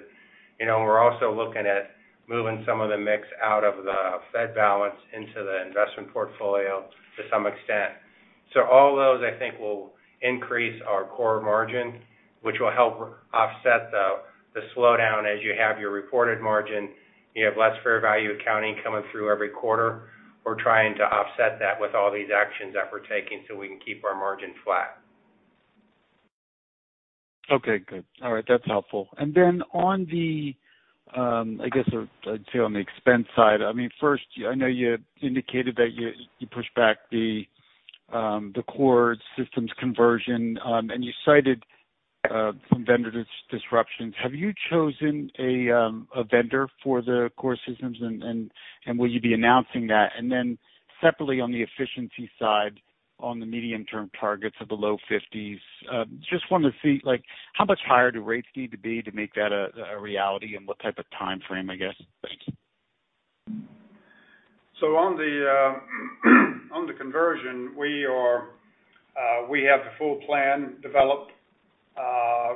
We're also looking at moving some of the mix out of the Fed balance into the investment portfolio to some extent. All those, I think, will increase our core margin, which will help offset the slowdown as you have your reported margin, you have less fair value accounting coming through every quarter. We're trying to offset that with all these actions that we're taking so we can keep our margin flat. Okay, good. All right, that's helpful. On the, I'd say on the expense side, first, I know you indicated that you pushed back the core systems conversion, and you cited some vendor disruptions. Have you chosen a vendor for the core systems, and will you be announcing that? Separately on the efficiency side, on the medium term targets of the low 50s, just wanted to see how much higher do rates need to be to make that a reality, and what type of timeframe? Thank you. On the conversion, we have the full plan developed.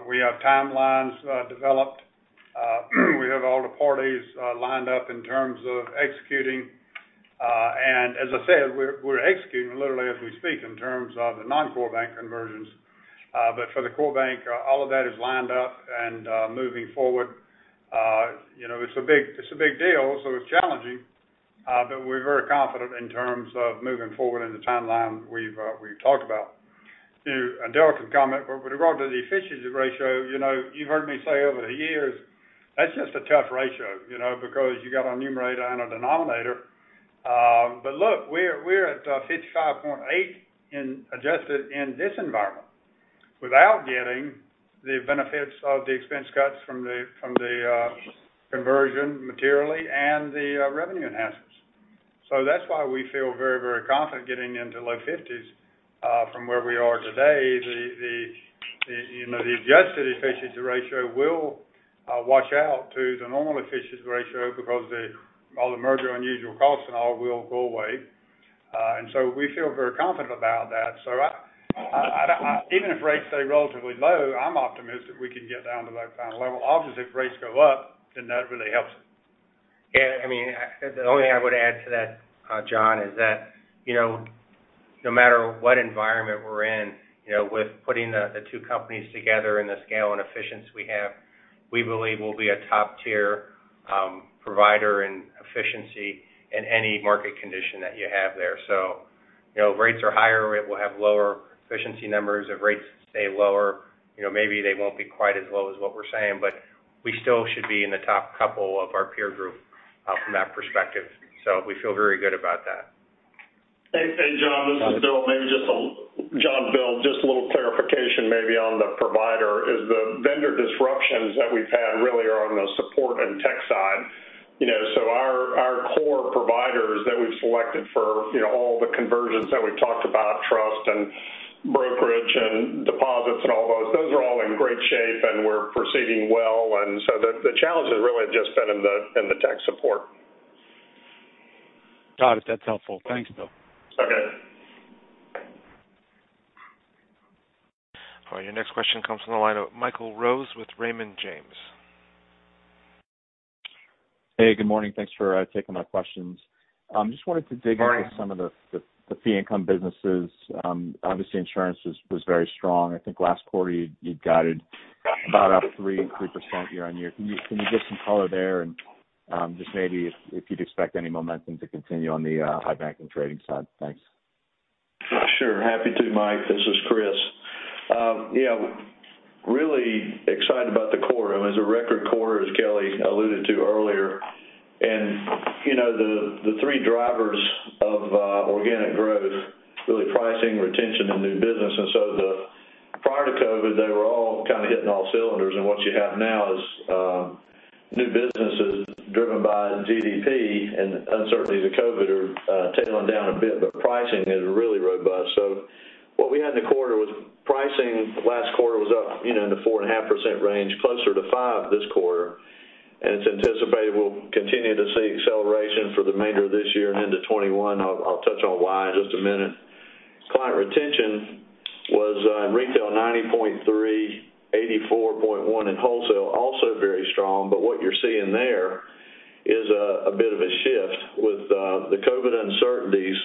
We have timelines developed. We have all the parties lined up in terms of executing. As I said, we're executing literally as we speak in terms of the non-core bank conversions. For the core bank, all of that is lined up and moving forward. It's a big deal, so it's challenging. We're very confident in terms of moving forward in the timeline we've talked about. Daryl can comment, but with regard to the efficiency ratio, you've heard me say over the years, that's just a tough ratio because you got a numerator and a denominator. Look, we're at 55.8% in adjusted in this environment without getting the benefits of the expense cuts from the conversion materially and the revenue enhancements. That's why we feel very confident getting into low 50s from where we are today. The adjusted efficiency ratio will wash out to the normal efficiency ratio because all the merger unusual costs and all will go away. We feel very confident about that. Even if rates stay relatively low, I'm optimistic we can get down to that kind of level. Obviously, if rates go up, then that really helps it. Yeah. The only thing I would add to that, John, is that no matter what environment we're in, with putting the two companies together and the scale and efficiency we have, we believe we'll be a top tier provider in efficiency in any market condition that you have there. If rates are higher, we'll have lower efficiency numbers. If rates stay lower, maybe they won't be quite as low as what we're saying, but we still should be in the top couple of our peer group from that perspective. We feel very good about that. Hey, John, this is Bill. John, Bill, just a little clarification maybe on the provider. Is the vendor disruptions that we've had really are on the support and tech side? Our core providers that we've selected for all the conversions that we've talked about, trust and brokerage and deposits and all those are all in great shape, and we're proceeding well. The challenge has really just been in the tech support. Got it. That's helpful. Thanks, Bill. Okay. All right, your next question comes from the line of Michael Rose with Raymond James. Hey, good morning. Thanks for taking my questions. Morning into some of the fee income businesses. Obviously, insurance was very strong. I think last quarter you'd guided about up 3% year-over-year. Can you give some color there and just maybe if you'd expect any momentum to continue on the I-banking trading side? Thanks. Sure. Happy to, Mike. This is Chris. Really excited about the quarter. It was a record quarter, as Kelly alluded to earlier. The three drivers of organic growth, really pricing, retention, and new business. Prior to COVID, they were all kind of hitting all cylinders. What you have now is new business is driven by GDP and the uncertainty of the COVID are tailing down a bit, but pricing is really robust. What we had in the quarter was pricing last quarter was up in the 4.5% range, closer to five this quarter. It's anticipated we'll continue to see acceleration for the remainder of this year into 2021. I'll touch on why in just a minute. Client retention was in retail, 90.3, 84.1 in wholesale, also very strong. What you're seeing there is a bit of a shift with the COVID uncertainties.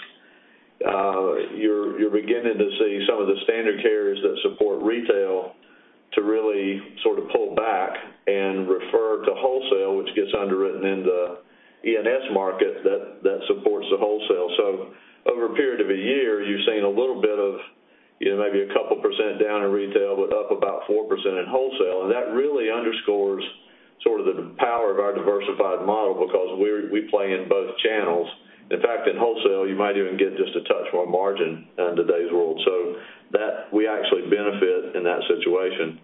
You're beginning to see some of the standard carriers that support retail to really sort of pull back and refer to wholesale, which gets underwritten in the E&S market that supports the wholesale. Over a period of a year, you've seen a little bit of maybe a couple percent down in retail, but up about 4% in wholesale. That really underscores sort of the power of our diversified model because we play in both channels. In wholesale, you might even get just a touch more margin in today's world. We actually benefit in that situation.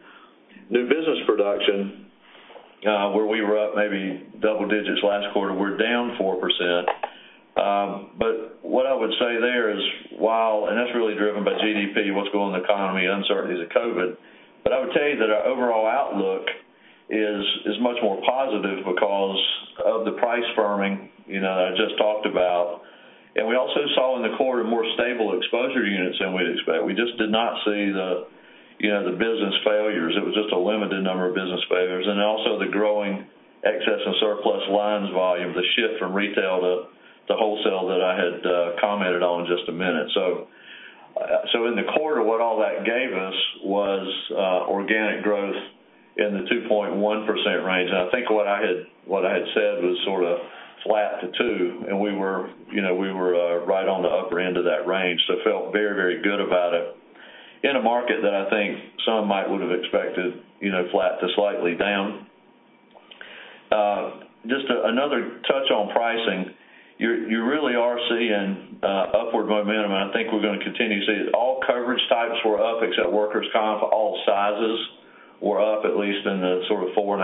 New business production, where we were up maybe double digits last quarter. Driven by GDP, what's going on in the economy, uncertainties of COVID. I would tell you that our overall outlook is much more positive because of the price firming I just talked about. We also saw in the quarter more stable exposure units than we'd expect. We just did not see the business failures. It was just a limited number of business failures. Also the growing excess and surplus lines volume, the shift from retail to wholesale that I had commented on just a minute. In the quarter, what all that gave us was organic growth in the 2.1% range. I think what I had said was sort of flat to 2, and we were right on the upper end of that range. Felt very, very good about it in a market that I think some might would have expected flat to slightly down. Just another touch on pricing. You really are seeing upward momentum, and I think we're going to continue to see it. All coverage types were up except workers' comp. All sizes were up at least in the sort of 4.5%,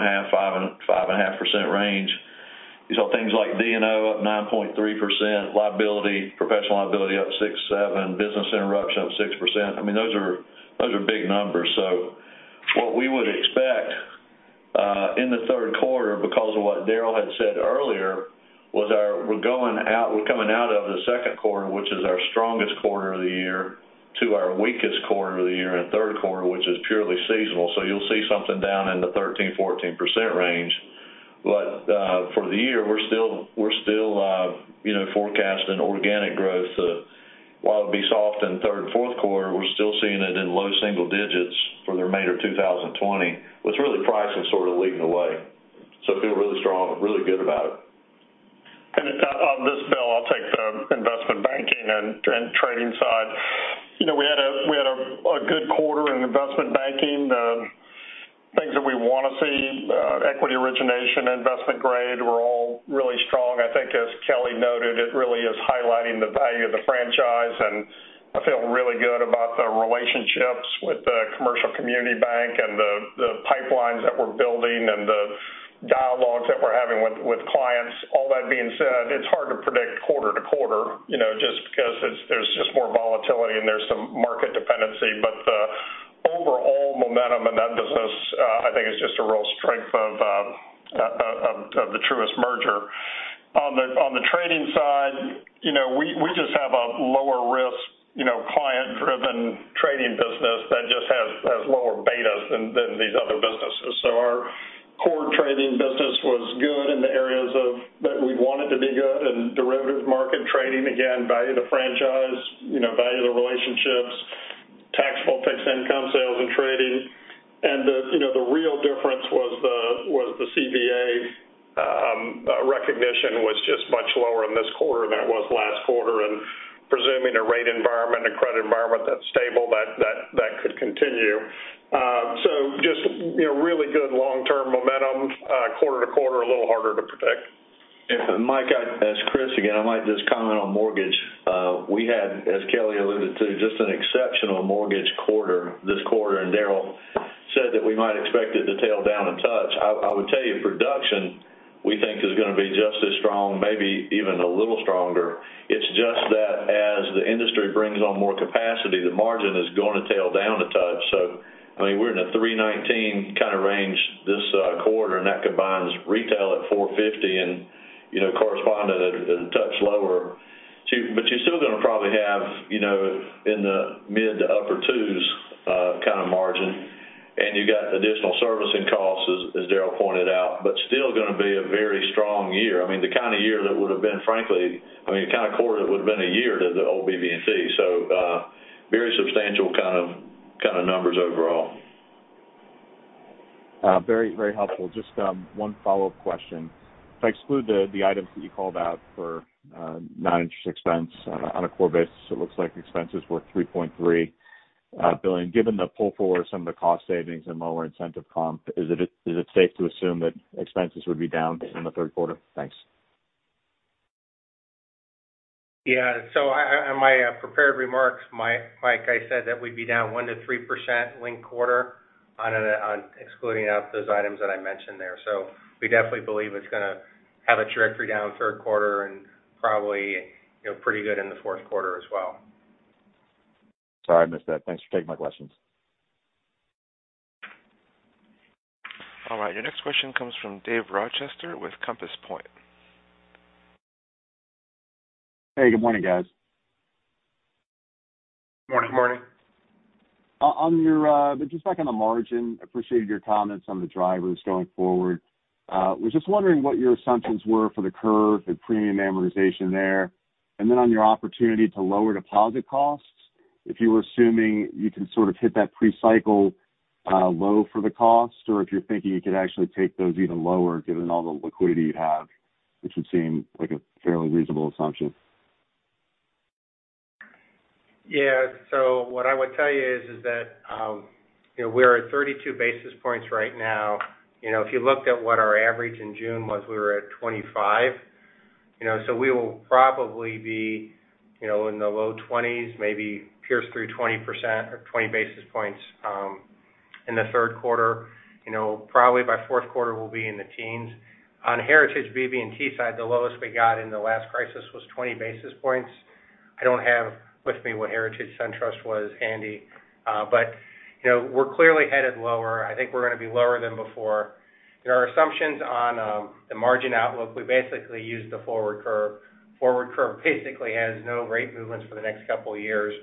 5%, 5.5% range. You saw things like D&O up 9.3%, liability, professional liability up six, seven, business interruption up 6%. I mean, those are big numbers. What we would expect, in the third quarter, because of what Daryl had said earlier, was we're coming out of the second quarter, which is our strongest quarter of the year, to our weakest quarter of the year in the third quarter, which is purely seasonal. You'll see something down in the 13%-14% range. For the year, we're still forecasting organic growth. While it'll be soft in the third and fourth quarter, we're still seeing it in low single digits for the remainder of 2020, with really pricing sort of leading the way. We feel really strong, really good about it. On this, Bill, I'll take the investment banking and trading side. We had a good quarter in investment banking. The things that we want to see, equity origination, investment grade, were all really strong. I think as Kelly noted, it really is highlighting the value of the franchise, and I feel really good about the relationships with the commercial community bank and the pipelines that we're building and the dialogues that we're having with clients. All that being said, it's hard to predict quarter to quarter just because there's just more volatility and there's some market dependency. The overall momentum in that business, I think is just a real strength of the Truist merger. On the trading side, we just have a lower risk, client-driven trading business that just has lower betas than these other businesses. Our core trading business was good in the areas that we want it to be good, in derivatives market trading, again, value to franchise, value to relationships, taxable fixed income sales and trading. The real difference was the CVA recognition was just much lower in this quarter than it was last quarter. Presuming a rate environment and credit environment that's stable, that could continue. Just really good long-term momentum. Quarter to quarter, a little harder to predict. Mike, as Chris again, I might just comment on mortgage. We had, as Kelly alluded to, just an exceptional mortgage quarter this quarter. Daryl said that we might expect it to tail down a touch. I would tell you production, we think is going to be just as strong, maybe even a little stronger. It's just that as the industry brings on more capacity, the margin is going to tail down a touch. I mean, we're in a 319 kind of range this quarter. That combines retail at 450 and correspondent a touch lower. You're still going to probably have in the mid to upper 2s kind of margin. You got additional servicing costs, as Daryl pointed out. Still going to be a very strong year. I mean, the kind of year that would have been frankly, I mean, the kind of quarter that would have been a year to the old BB&T. Very substantial kind of numbers overall. Very helpful. Just one follow-up question. If I exclude the items that you called out for non-interest expense on a core basis, it looks like expenses were $3.3 billion. Given the pull-forward of some of the cost savings and lower incentive comp, is it safe to assume that expenses would be down in the third quarter? Thanks. Yeah. In my prepared remarks, Mike, I said that we'd be down 1%-3% linked quarter on excluding out those items that I mentioned there. We definitely believe it's going to have a trajectory down third quarter and probably pretty good in the fourth quarter as well. Sorry, I missed that. Thanks for taking my questions. All right, your next question comes from Dave Rochester with Compass Point. Hey, good morning, guys. Morning. Morning. Just back on the margin, appreciated your comments on the drivers going forward. Was just wondering what your assumptions were for the curve, the premium amortization there. On your opportunity to lower deposit costs, if you were assuming you can sort of hit that pre-cycle low for the cost, or if you're thinking you could actually take those even lower given all the liquidity you have, which would seem like a fairly reasonable assumption. Yeah. What I would tell you is that we're at 32 basis points right now. If you looked at what our average in June was, we were at 25. We will probably be in the low twenties, maybe pierce through 20% or 20 basis points in the third quarter. Probably by fourth quarter, we'll be in the teens. On Heritage BB&T side, the lowest we got in the last crisis was 20 basis points. I don't have with me what Heritage SunTrust was handy. We're clearly headed lower. I think we're going to be lower than before. Our assumptions on the margin outlook, we basically used the forward curve. Forward curve basically has no rate movements for the next couple of years,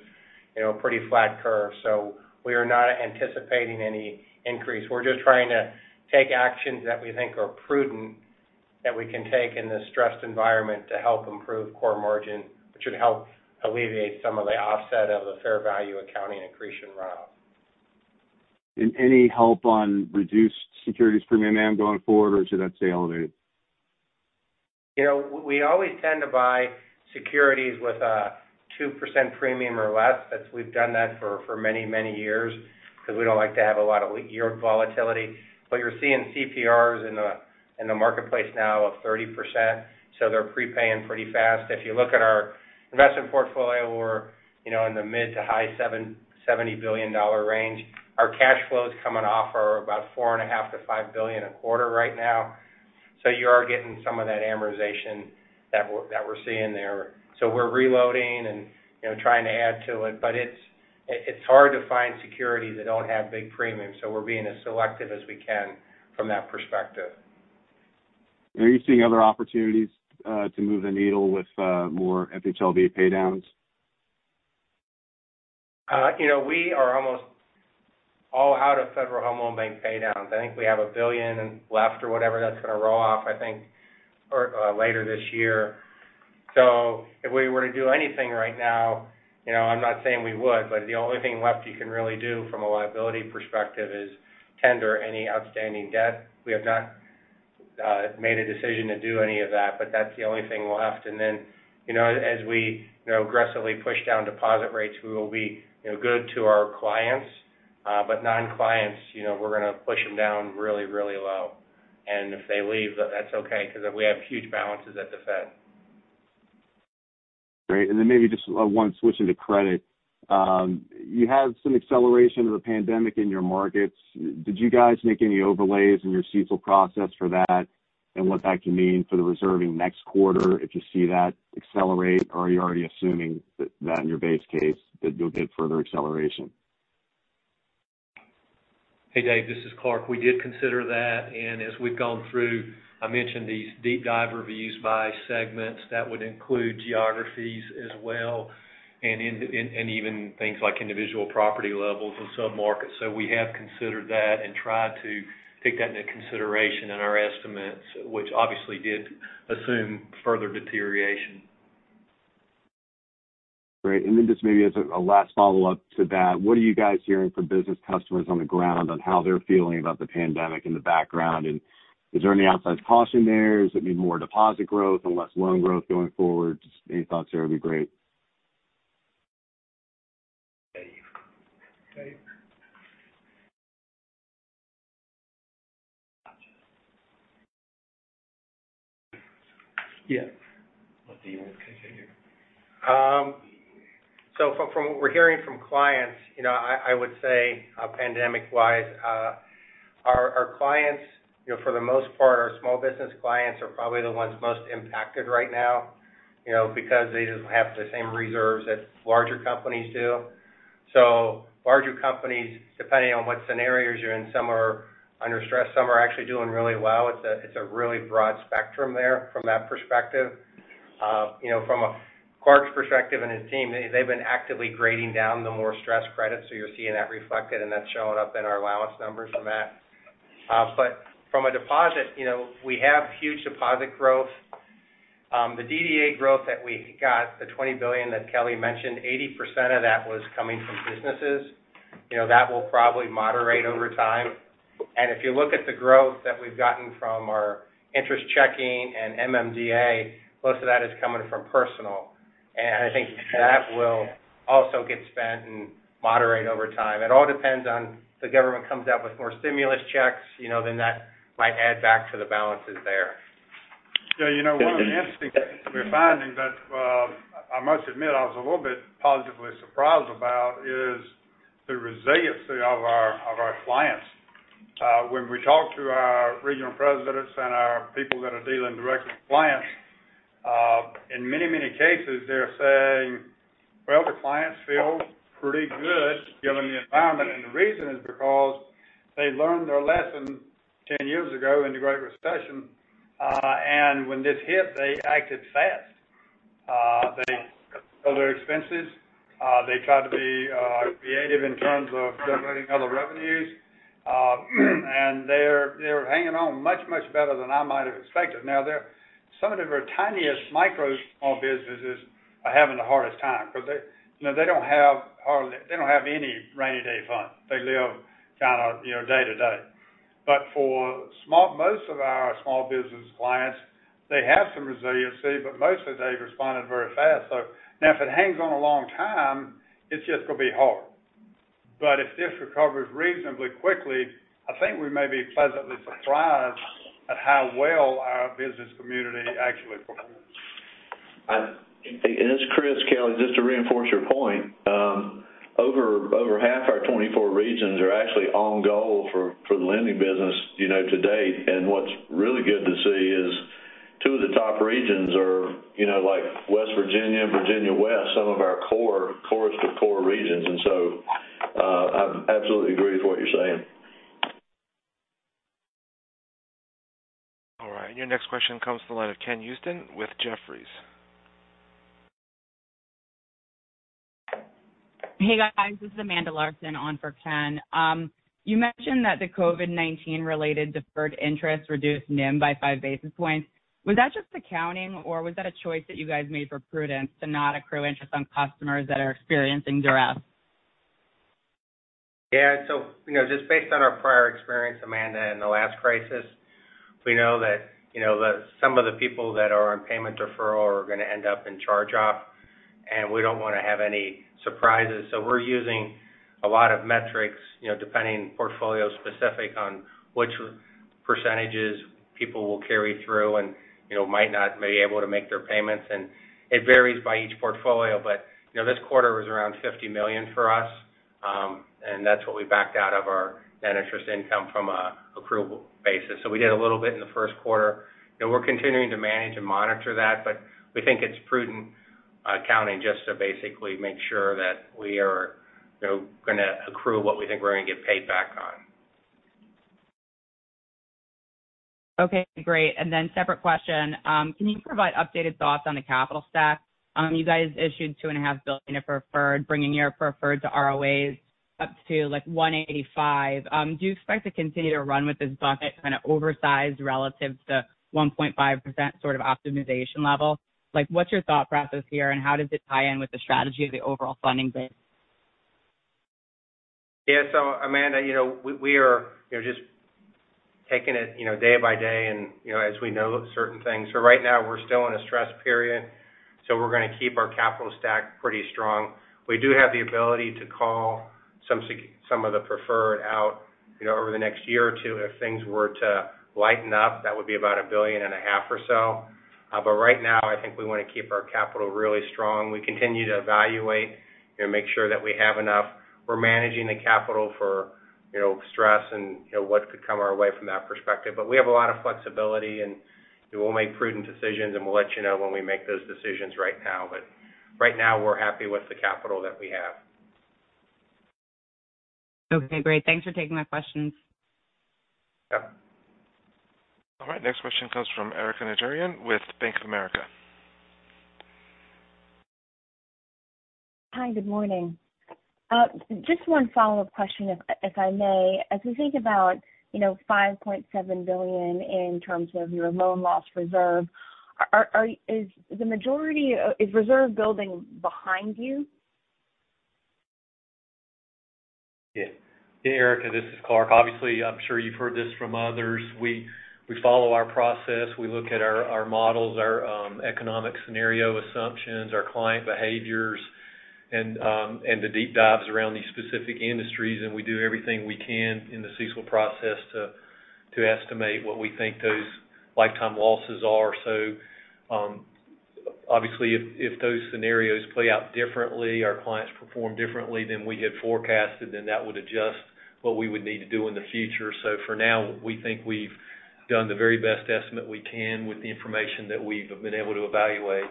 pretty flat curve. We are not anticipating any increase. We're just trying to take actions that we think are prudent that we can take in this stressed environment to help improve core margin, which would help alleviate some of the offset of the fair value accounting accretion run-off. Any help on reduced securities premium AM going forward? Should that stay elevated? We always tend to buy securities with a 2% premium or less. We've done that for many, many years because we don't like to have a lot of yeild volatility. You're seeing CPRs in the marketplace now of 30%. They're prepaying pretty fast. If you look at our investment portfolio, we're in the mid to high $70 billion range. Our cash flows coming off are about $4.5 billion-$5 billion a quarter right now. You are getting some of that amortization that we're seeing there. We're reloading and trying to add to it. It's hard to find securities that don't have big premiums. We're being as selective as we can from that perspective. Are you seeing other opportunities to move the needle with more FHLB paydowns? We are almost all out of Federal Home Loan Bank paydowns. I think we have $1 billion left or whatever that's going to roll off, I think, later this year. If we were to do anything right now, I'm not saying we would, but the only thing left you can really do from a liability perspective is tender any outstanding debt. We have not made a decision to do any of that, but that's the only thing left. Then, as we aggressively push down deposit rates, we will be good to our clients. Non-clients, we're going to push them down really, really low. If they leave, that's okay, because we have huge balances at the Fed. Great. Maybe just one switching to credit. You have some acceleration of the pandemic in your markets. Did you guys make any overlays in your CECL process for that and what that can mean for the reserving next quarter if you see that accelerate? Or are you already assuming that in your base case that you'll get further acceleration? Hey, Dave, this is Clarke. We did consider that, and as we've gone through, I mentioned these deep dive reviews by segments. That would include geographies as well, and even things like individual property levels and submarkets. We have considered that and tried to take that into consideration in our estimates, which obviously did assume further deterioration. Great. Just maybe as a last follow-up to that, what are you guys hearing from business customers on the ground on how they're feeling about the pandemic in the background? Is there any outsized caution there? Does it mean more deposit growth and less loan growth going forward? Just any thoughts there would be great. Dave. Dave. Yeah. What do you want me to say here? From what we're hearing from clients, I would say pandemic-wise, our clients, for the most part, our small business clients are probably the ones most impacted right now because they just don't have the same reserves that larger companies do. Larger companies, depending on what scenarios you're in, some are under stress, some are actually doing really well. It's a really broad spectrum there from that perspective. From Clarke's perspective and his team, they've been actively grading down the more stressed credits, so you're seeing that reflected, and that's showing up in our allowance numbers from that. From a deposit, we have huge deposit growth. The DDA growth that we got, the $20 billion that Kelly mentioned, 80% of that was coming from businesses. That will probably moderate over time. If you look at the growth that we've gotten from our interest checking and MMDA, most of that is coming from personal. I think that will also get spent and moderate over time. It all depends on the government comes out with more stimulus checks, then that might add back to the balances there. One of the interesting things we're finding that I must admit I was a little bit positively surprised about is the resiliency of our clients. When we talk to our regional presidents and our people that are dealing directly with clients, in many, many cases, they're saying, well, the clients feel pretty good given the environment. The reason is because they learned their lesson 10 years ago in the Great Recession, and when this hit, they acted fast. They cut other expenses. They tried to be creative in terms of generating other revenues. They're hanging on much, much better than I might have expected. Now, some of the tiniest micro small businesses are having the hardest time because they don't have any rainy day fund. They live kind of day to day. For most of our small business clients, they have some resiliency, but mostly they've responded very fast. Now if it hangs on a long time, it's just going to be hard. If this recovers reasonably quickly, I think we may be pleasantly surprised at how well our business community actually performs. This is Chris, Kelly, just to reinforce your point. Over half our 24 regions are actually on goal for the lending business to date, and what's really good to see is two of the top regions are West Virginia and Western Virginia, some of our core regions. I absolutely agree with what you're saying. All right. Your next question comes to the line of Ken Usdin with Jefferies. Hey, guys. This is Amanda Larson on for Ken. You mentioned that the COVID-19 related deferred interest reduced NIM by five basis points. Was that just accounting or was that a choice that you guys made for prudence to not accrue interest on customers that are experiencing duress? Just based on our prior experience, Amanda, in the last crisis, we know that some of the people that are on payment deferral are going to end up in charge-off, and we don't want to have any surprises. We're using a lot of metrics, depending portfolio specific on which percentages people will carry through and might not be able to make their payments. It varies by each portfolio. This quarter was around $50 million for us. That's what we backed out of our net interest income from an accrual basis. We did a little bit in the first quarter, and we're continuing to manage and monitor that, but we think it's prudent accounting just to basically make sure that we are going to accrue what we think we're going to get paid back on. Okay, great. Separate question. Can you provide updated thoughts on the capital stack? You guys issued $2.5 billion of preferred, bringing your preferred to ROTCE up to like 1.85%. Do you expect to continue to run with this bucket kind of oversized relative to 1.5% sort of optimization level? What's your thought process here, and how does it tie in with the strategy of the overall funding base? Yeah. Amanda, we are just taking it day by day and as we know certain things. Right now, we're still in a stress period, so we're going to keep our capital stack pretty strong. We do have the ability to call some of the preferred out over the next year or two if things were to lighten up. That would be about a billion and a half or so. Right now, I think we want to keep our capital really strong. We continue to evaluate and make sure that we have enough. We're managing the capital for stress and what could come our way from that perspective. We have a lot of flexibility, and we'll make prudent decisions, and we'll let you know when we make those decisions right now. Right now, we're happy with the capital that we have. Okay, great. Thanks for taking my questions. Yeah. All right. Next question comes from Erika Najarian with Bank of America. Hi, good morning. Just one follow-up question, if I may. As we think about $5.7 billion in terms of your loan loss reserve, is reserve building behind you? Yeah. Hey, Erika, this is Clarke. Obviously, I'm sure you've heard this from others. We follow our process. We look at our models, our economic scenario assumptions, our client behaviors, and the deep dives around these specific industries, and we do everything we can in the CECL process to estimate what we think those lifetime losses are. Obviously, if those scenarios play out differently, our clients perform differently than we had forecasted, then that would adjust what we would need to do in the future. For now, we think we've done the very best estimate we can with the information that we've been able to evaluate.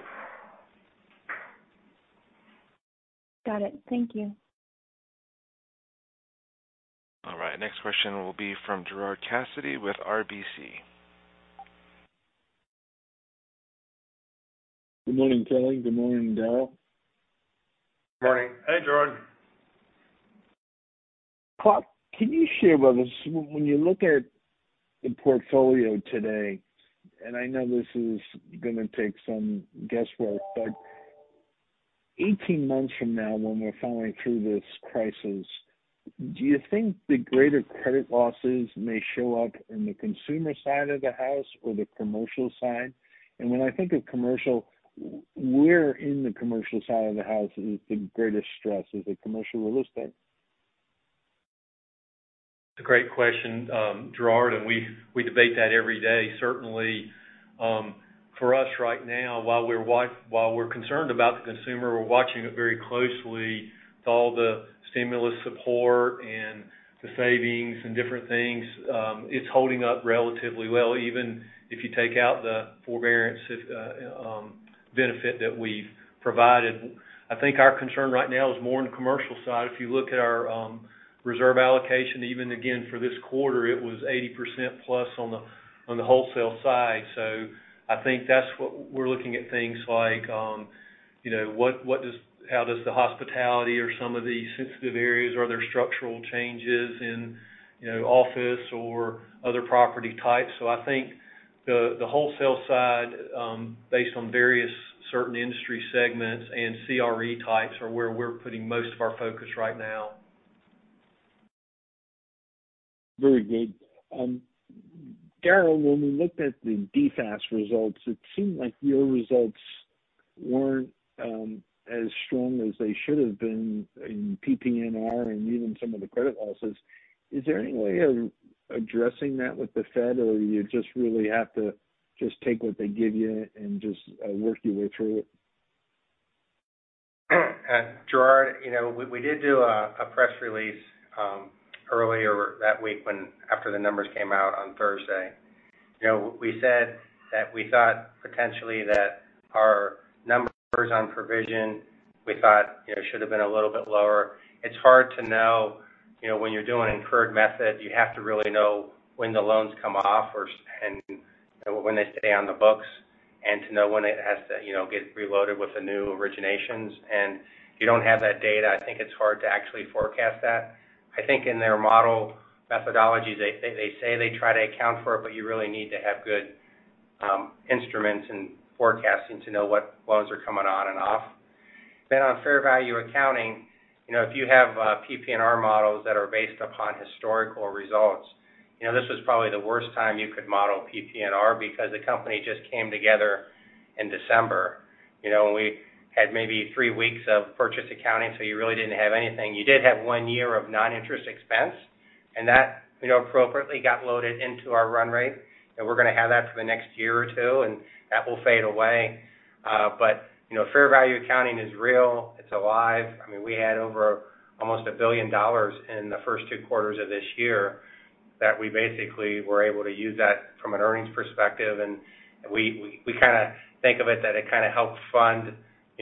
Got it. Thank you. All right. Next question will be from Gerard Cassidy with RBC. Good morning, Kelly. Good morning, Daryl. Morning. Hey, Gerard. Clarke, can you share with us when you look at the portfolio today, and I know this is going to take some guesswork, but 18 months from now when we're finally through this crisis, do you think the greater credit losses may show up in the consumer side of the house or the commercial side? When I think of commercial, where in the commercial side of the house is the greatest stress? Is it commercial real estate? It's a great question, Gerard. We debate that every day. Certainly, for us right now, while we're concerned about the consumer, we're watching it very closely with all the stimulus support and the savings and different things. It's holding up relatively well, even if you take out the forbearance benefit that we've provided. I think our concern right now is more on the commercial side. If you look at our reserve allocation, even again for this quarter, it was 80%+ on the wholesale side. I think that's what we're looking at things like, how does the hospitality or some of these sensitive areas, are there structural changes in office or other property types? I think the wholesale side, based on various certain industry segments and CRE types, are where we're putting most of our focus right now. Very good. Daryl, when we looked at the DFAST results, it seemed like your results weren't as strong as they should have been in PPNR and even some of the credit losses. Is there any way of addressing that with the Fed, or you just really have to just take what they give you and just work your way through it? Gerard, we did do a press release earlier that week after the numbers came out on Thursday. We said that we thought potentially that our numbers on provision, we thought, should've been a little bit lower. It's hard to know. When you're doing incurred method, you have to really know when the loans come off and when they stay on the books, and to know when it has to get reloaded with the new originations. If you don't have that data, I think it's hard to actually forecast that. I think in their model methodology, they say they try to account for it, you really need to have good instruments and forecasting to know what loans are coming on and off. On fair value accounting, if you have PPNR models that are based upon historical results, this was probably the worst time you could model PPNR because the company just came together in December. We had maybe three weeks of purchase accounting, so you really didn't have anything. You did have one year of non-interest expense, and that appropriately got loaded into our run rate, and we're going to have that for the next year or two, and that will fade away. Fair value accounting is real. It's alive. We had over almost $1 billion in the first two quarters of this year that we basically were able to use that from an earnings perspective, and we think of it that it kind of helped fund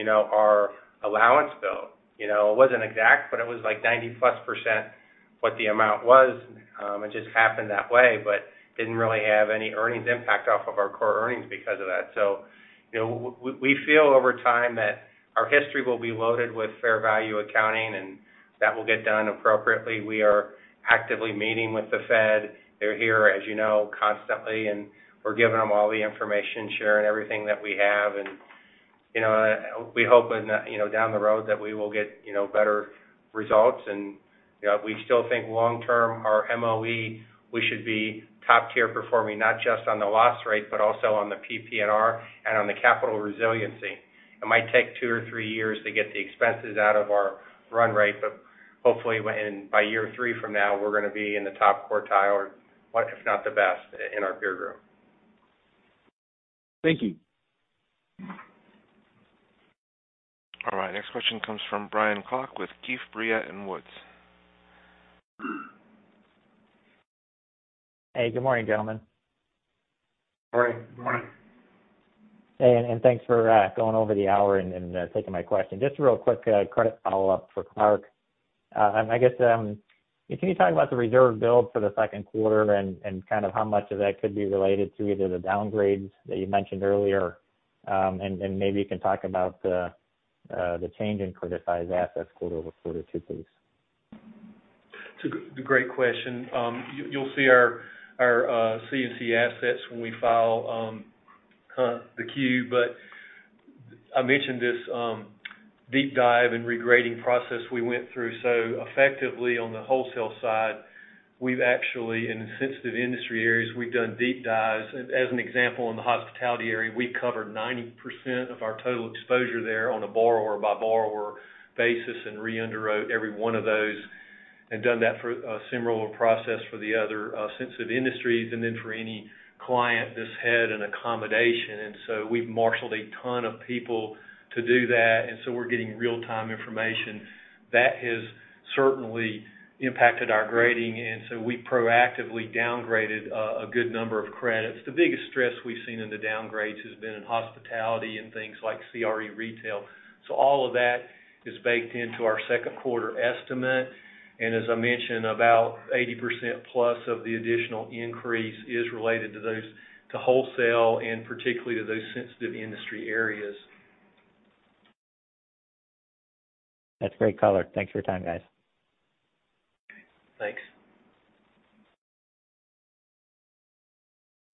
our allowance build. It wasn't exact, but it was like 90-plus % what the amount was. It just happened that way, didn't really have any earnings impact off of our core earnings because of that. We feel over time that our history will be loaded with fair value accounting, and that will get done appropriately. We are actively meeting with the Fed. They're here, as you know, constantly, and we're giving them all the information, sharing everything that we have, and we hope down the road that we will get better results. We still think long-term, our MOE, we should be top-tier performing, not just on the loss rate, but also on the PPNR and on the capital resiliency. It might take two or three years to get the expenses out of our run rate, but hopefully by year three from now, we're going to be in the top quartile or if not the best in our peer group. Thank you. All right, next question comes from Brian Klock with Keefe, Bruyette & Woods. Hey, good morning, gentlemen. Morning. Morning. Hey, thanks for going over the hour and taking my question. Real quick credit follow-up for Clarke. Can you talk about the reserve build for the second quarter and how much of that could be related to either the downgrades that you mentioned earlier? Maybe you can talk about the change in criticized assets quarter-over-quarter too, please. It's a great question. You'll see our C&C assets when we file the Q, but I mentioned this deep dive and regrading process we went through. Effectively on the wholesale side, we've actually, in sensitive industry areas, we've done deep dives. As an example, in the hospitality area, we covered 90% of our total exposure there on a borrower by borrower basis and re-underwrote every one of those and done that for a similar process for the other sensitive industries and then for any client that's had an accommodation. We've marshaled a ton of people to do that, and so we're getting real-time information. That has certainly impacted our grading, and so we proactively downgraded a good number of credits. The biggest stress we've seen in the downgrades has been in hospitality and things like CRE retail. All of that is baked into our second quarter estimate. As I mentioned, about 80%-plus of the additional increase is related to wholesale and particularly to those sensitive industry areas. That's great color. Thanks for your time, guys. Thanks.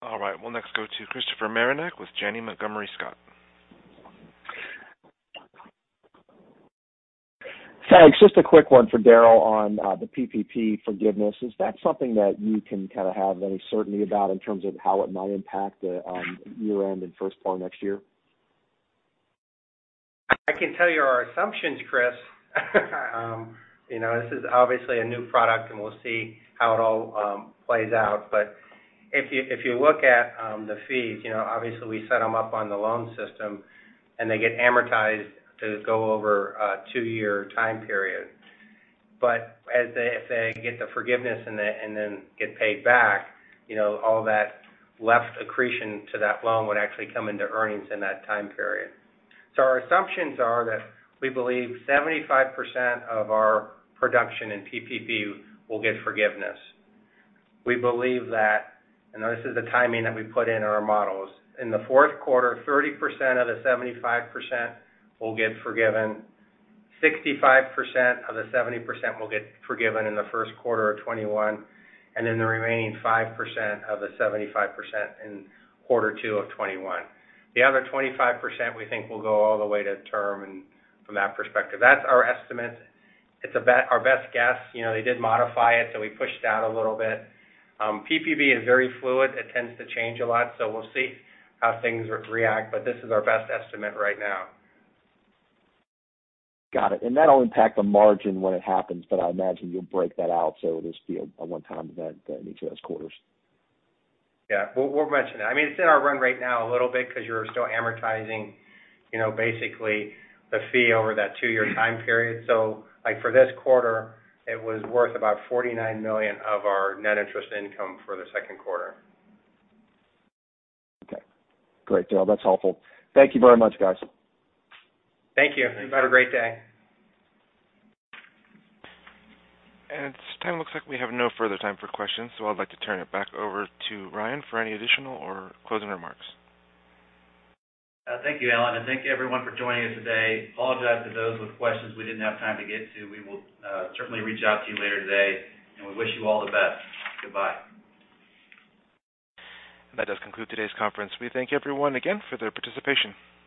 All right. We'll next go to Christopher Marinac with Janney Montgomery Scott. Thanks. Just a quick one for Daryl on the PPP forgiveness. Is that something that you can have any certainty about in terms of how it might impact the year-end and first part of next year? I can tell you our assumptions, Chris. This is obviously a new product, and we'll see how it all plays out. If you look at the fees, obviously we set them up on the loan system, and they get amortized to go over a two-year time period. If they get the forgiveness and then get paid back, all that left accretion to that loan would actually come into earnings in that time period. Our assumptions are that we believe 75% of our production in PPP will get forgiveness. We believe that, and this is the timing that we put in our models. In the fourth quarter, 30% of the 75% will get forgiven, 65% of the 70% will get forgiven in the first quarter of 2021, the remaining 5% of the 75% in quarter two of 2021. The other 25%, we think, will go all the way to term and from that perspective. That's our estimate. It's our best guess. They did modify it, so we pushed out a little bit. PPP is very fluid. It tends to change a lot, so we'll see how things react, but this is our best estimate right now. Got it. That'll impact the margin when it happens, but I imagine you'll break that out so it'll just be a one-time event in each of those quarters. Yeah. We'll mention it. It's in our run rate now a little bit because you're still amortizing basically the fee over that two-year time period. For this quarter, it was worth about $49 million of our net interest income for the second quarter. Okay. Great, Daryl. That's helpful. Thank you very much, guys. Thank you. Thanks. You have a great day. At this time, looks like we have no further time for questions, so I'd like to turn it back over to Ryan for any additional or closing remarks. Thank you, Alan, and thank you everyone for joining us today. I apologize to those with questions we didn't have time to get to. We will certainly reach out to you later today, and we wish you all the best. Goodbye. That does conclude today's conference. We thank everyone again for their participation.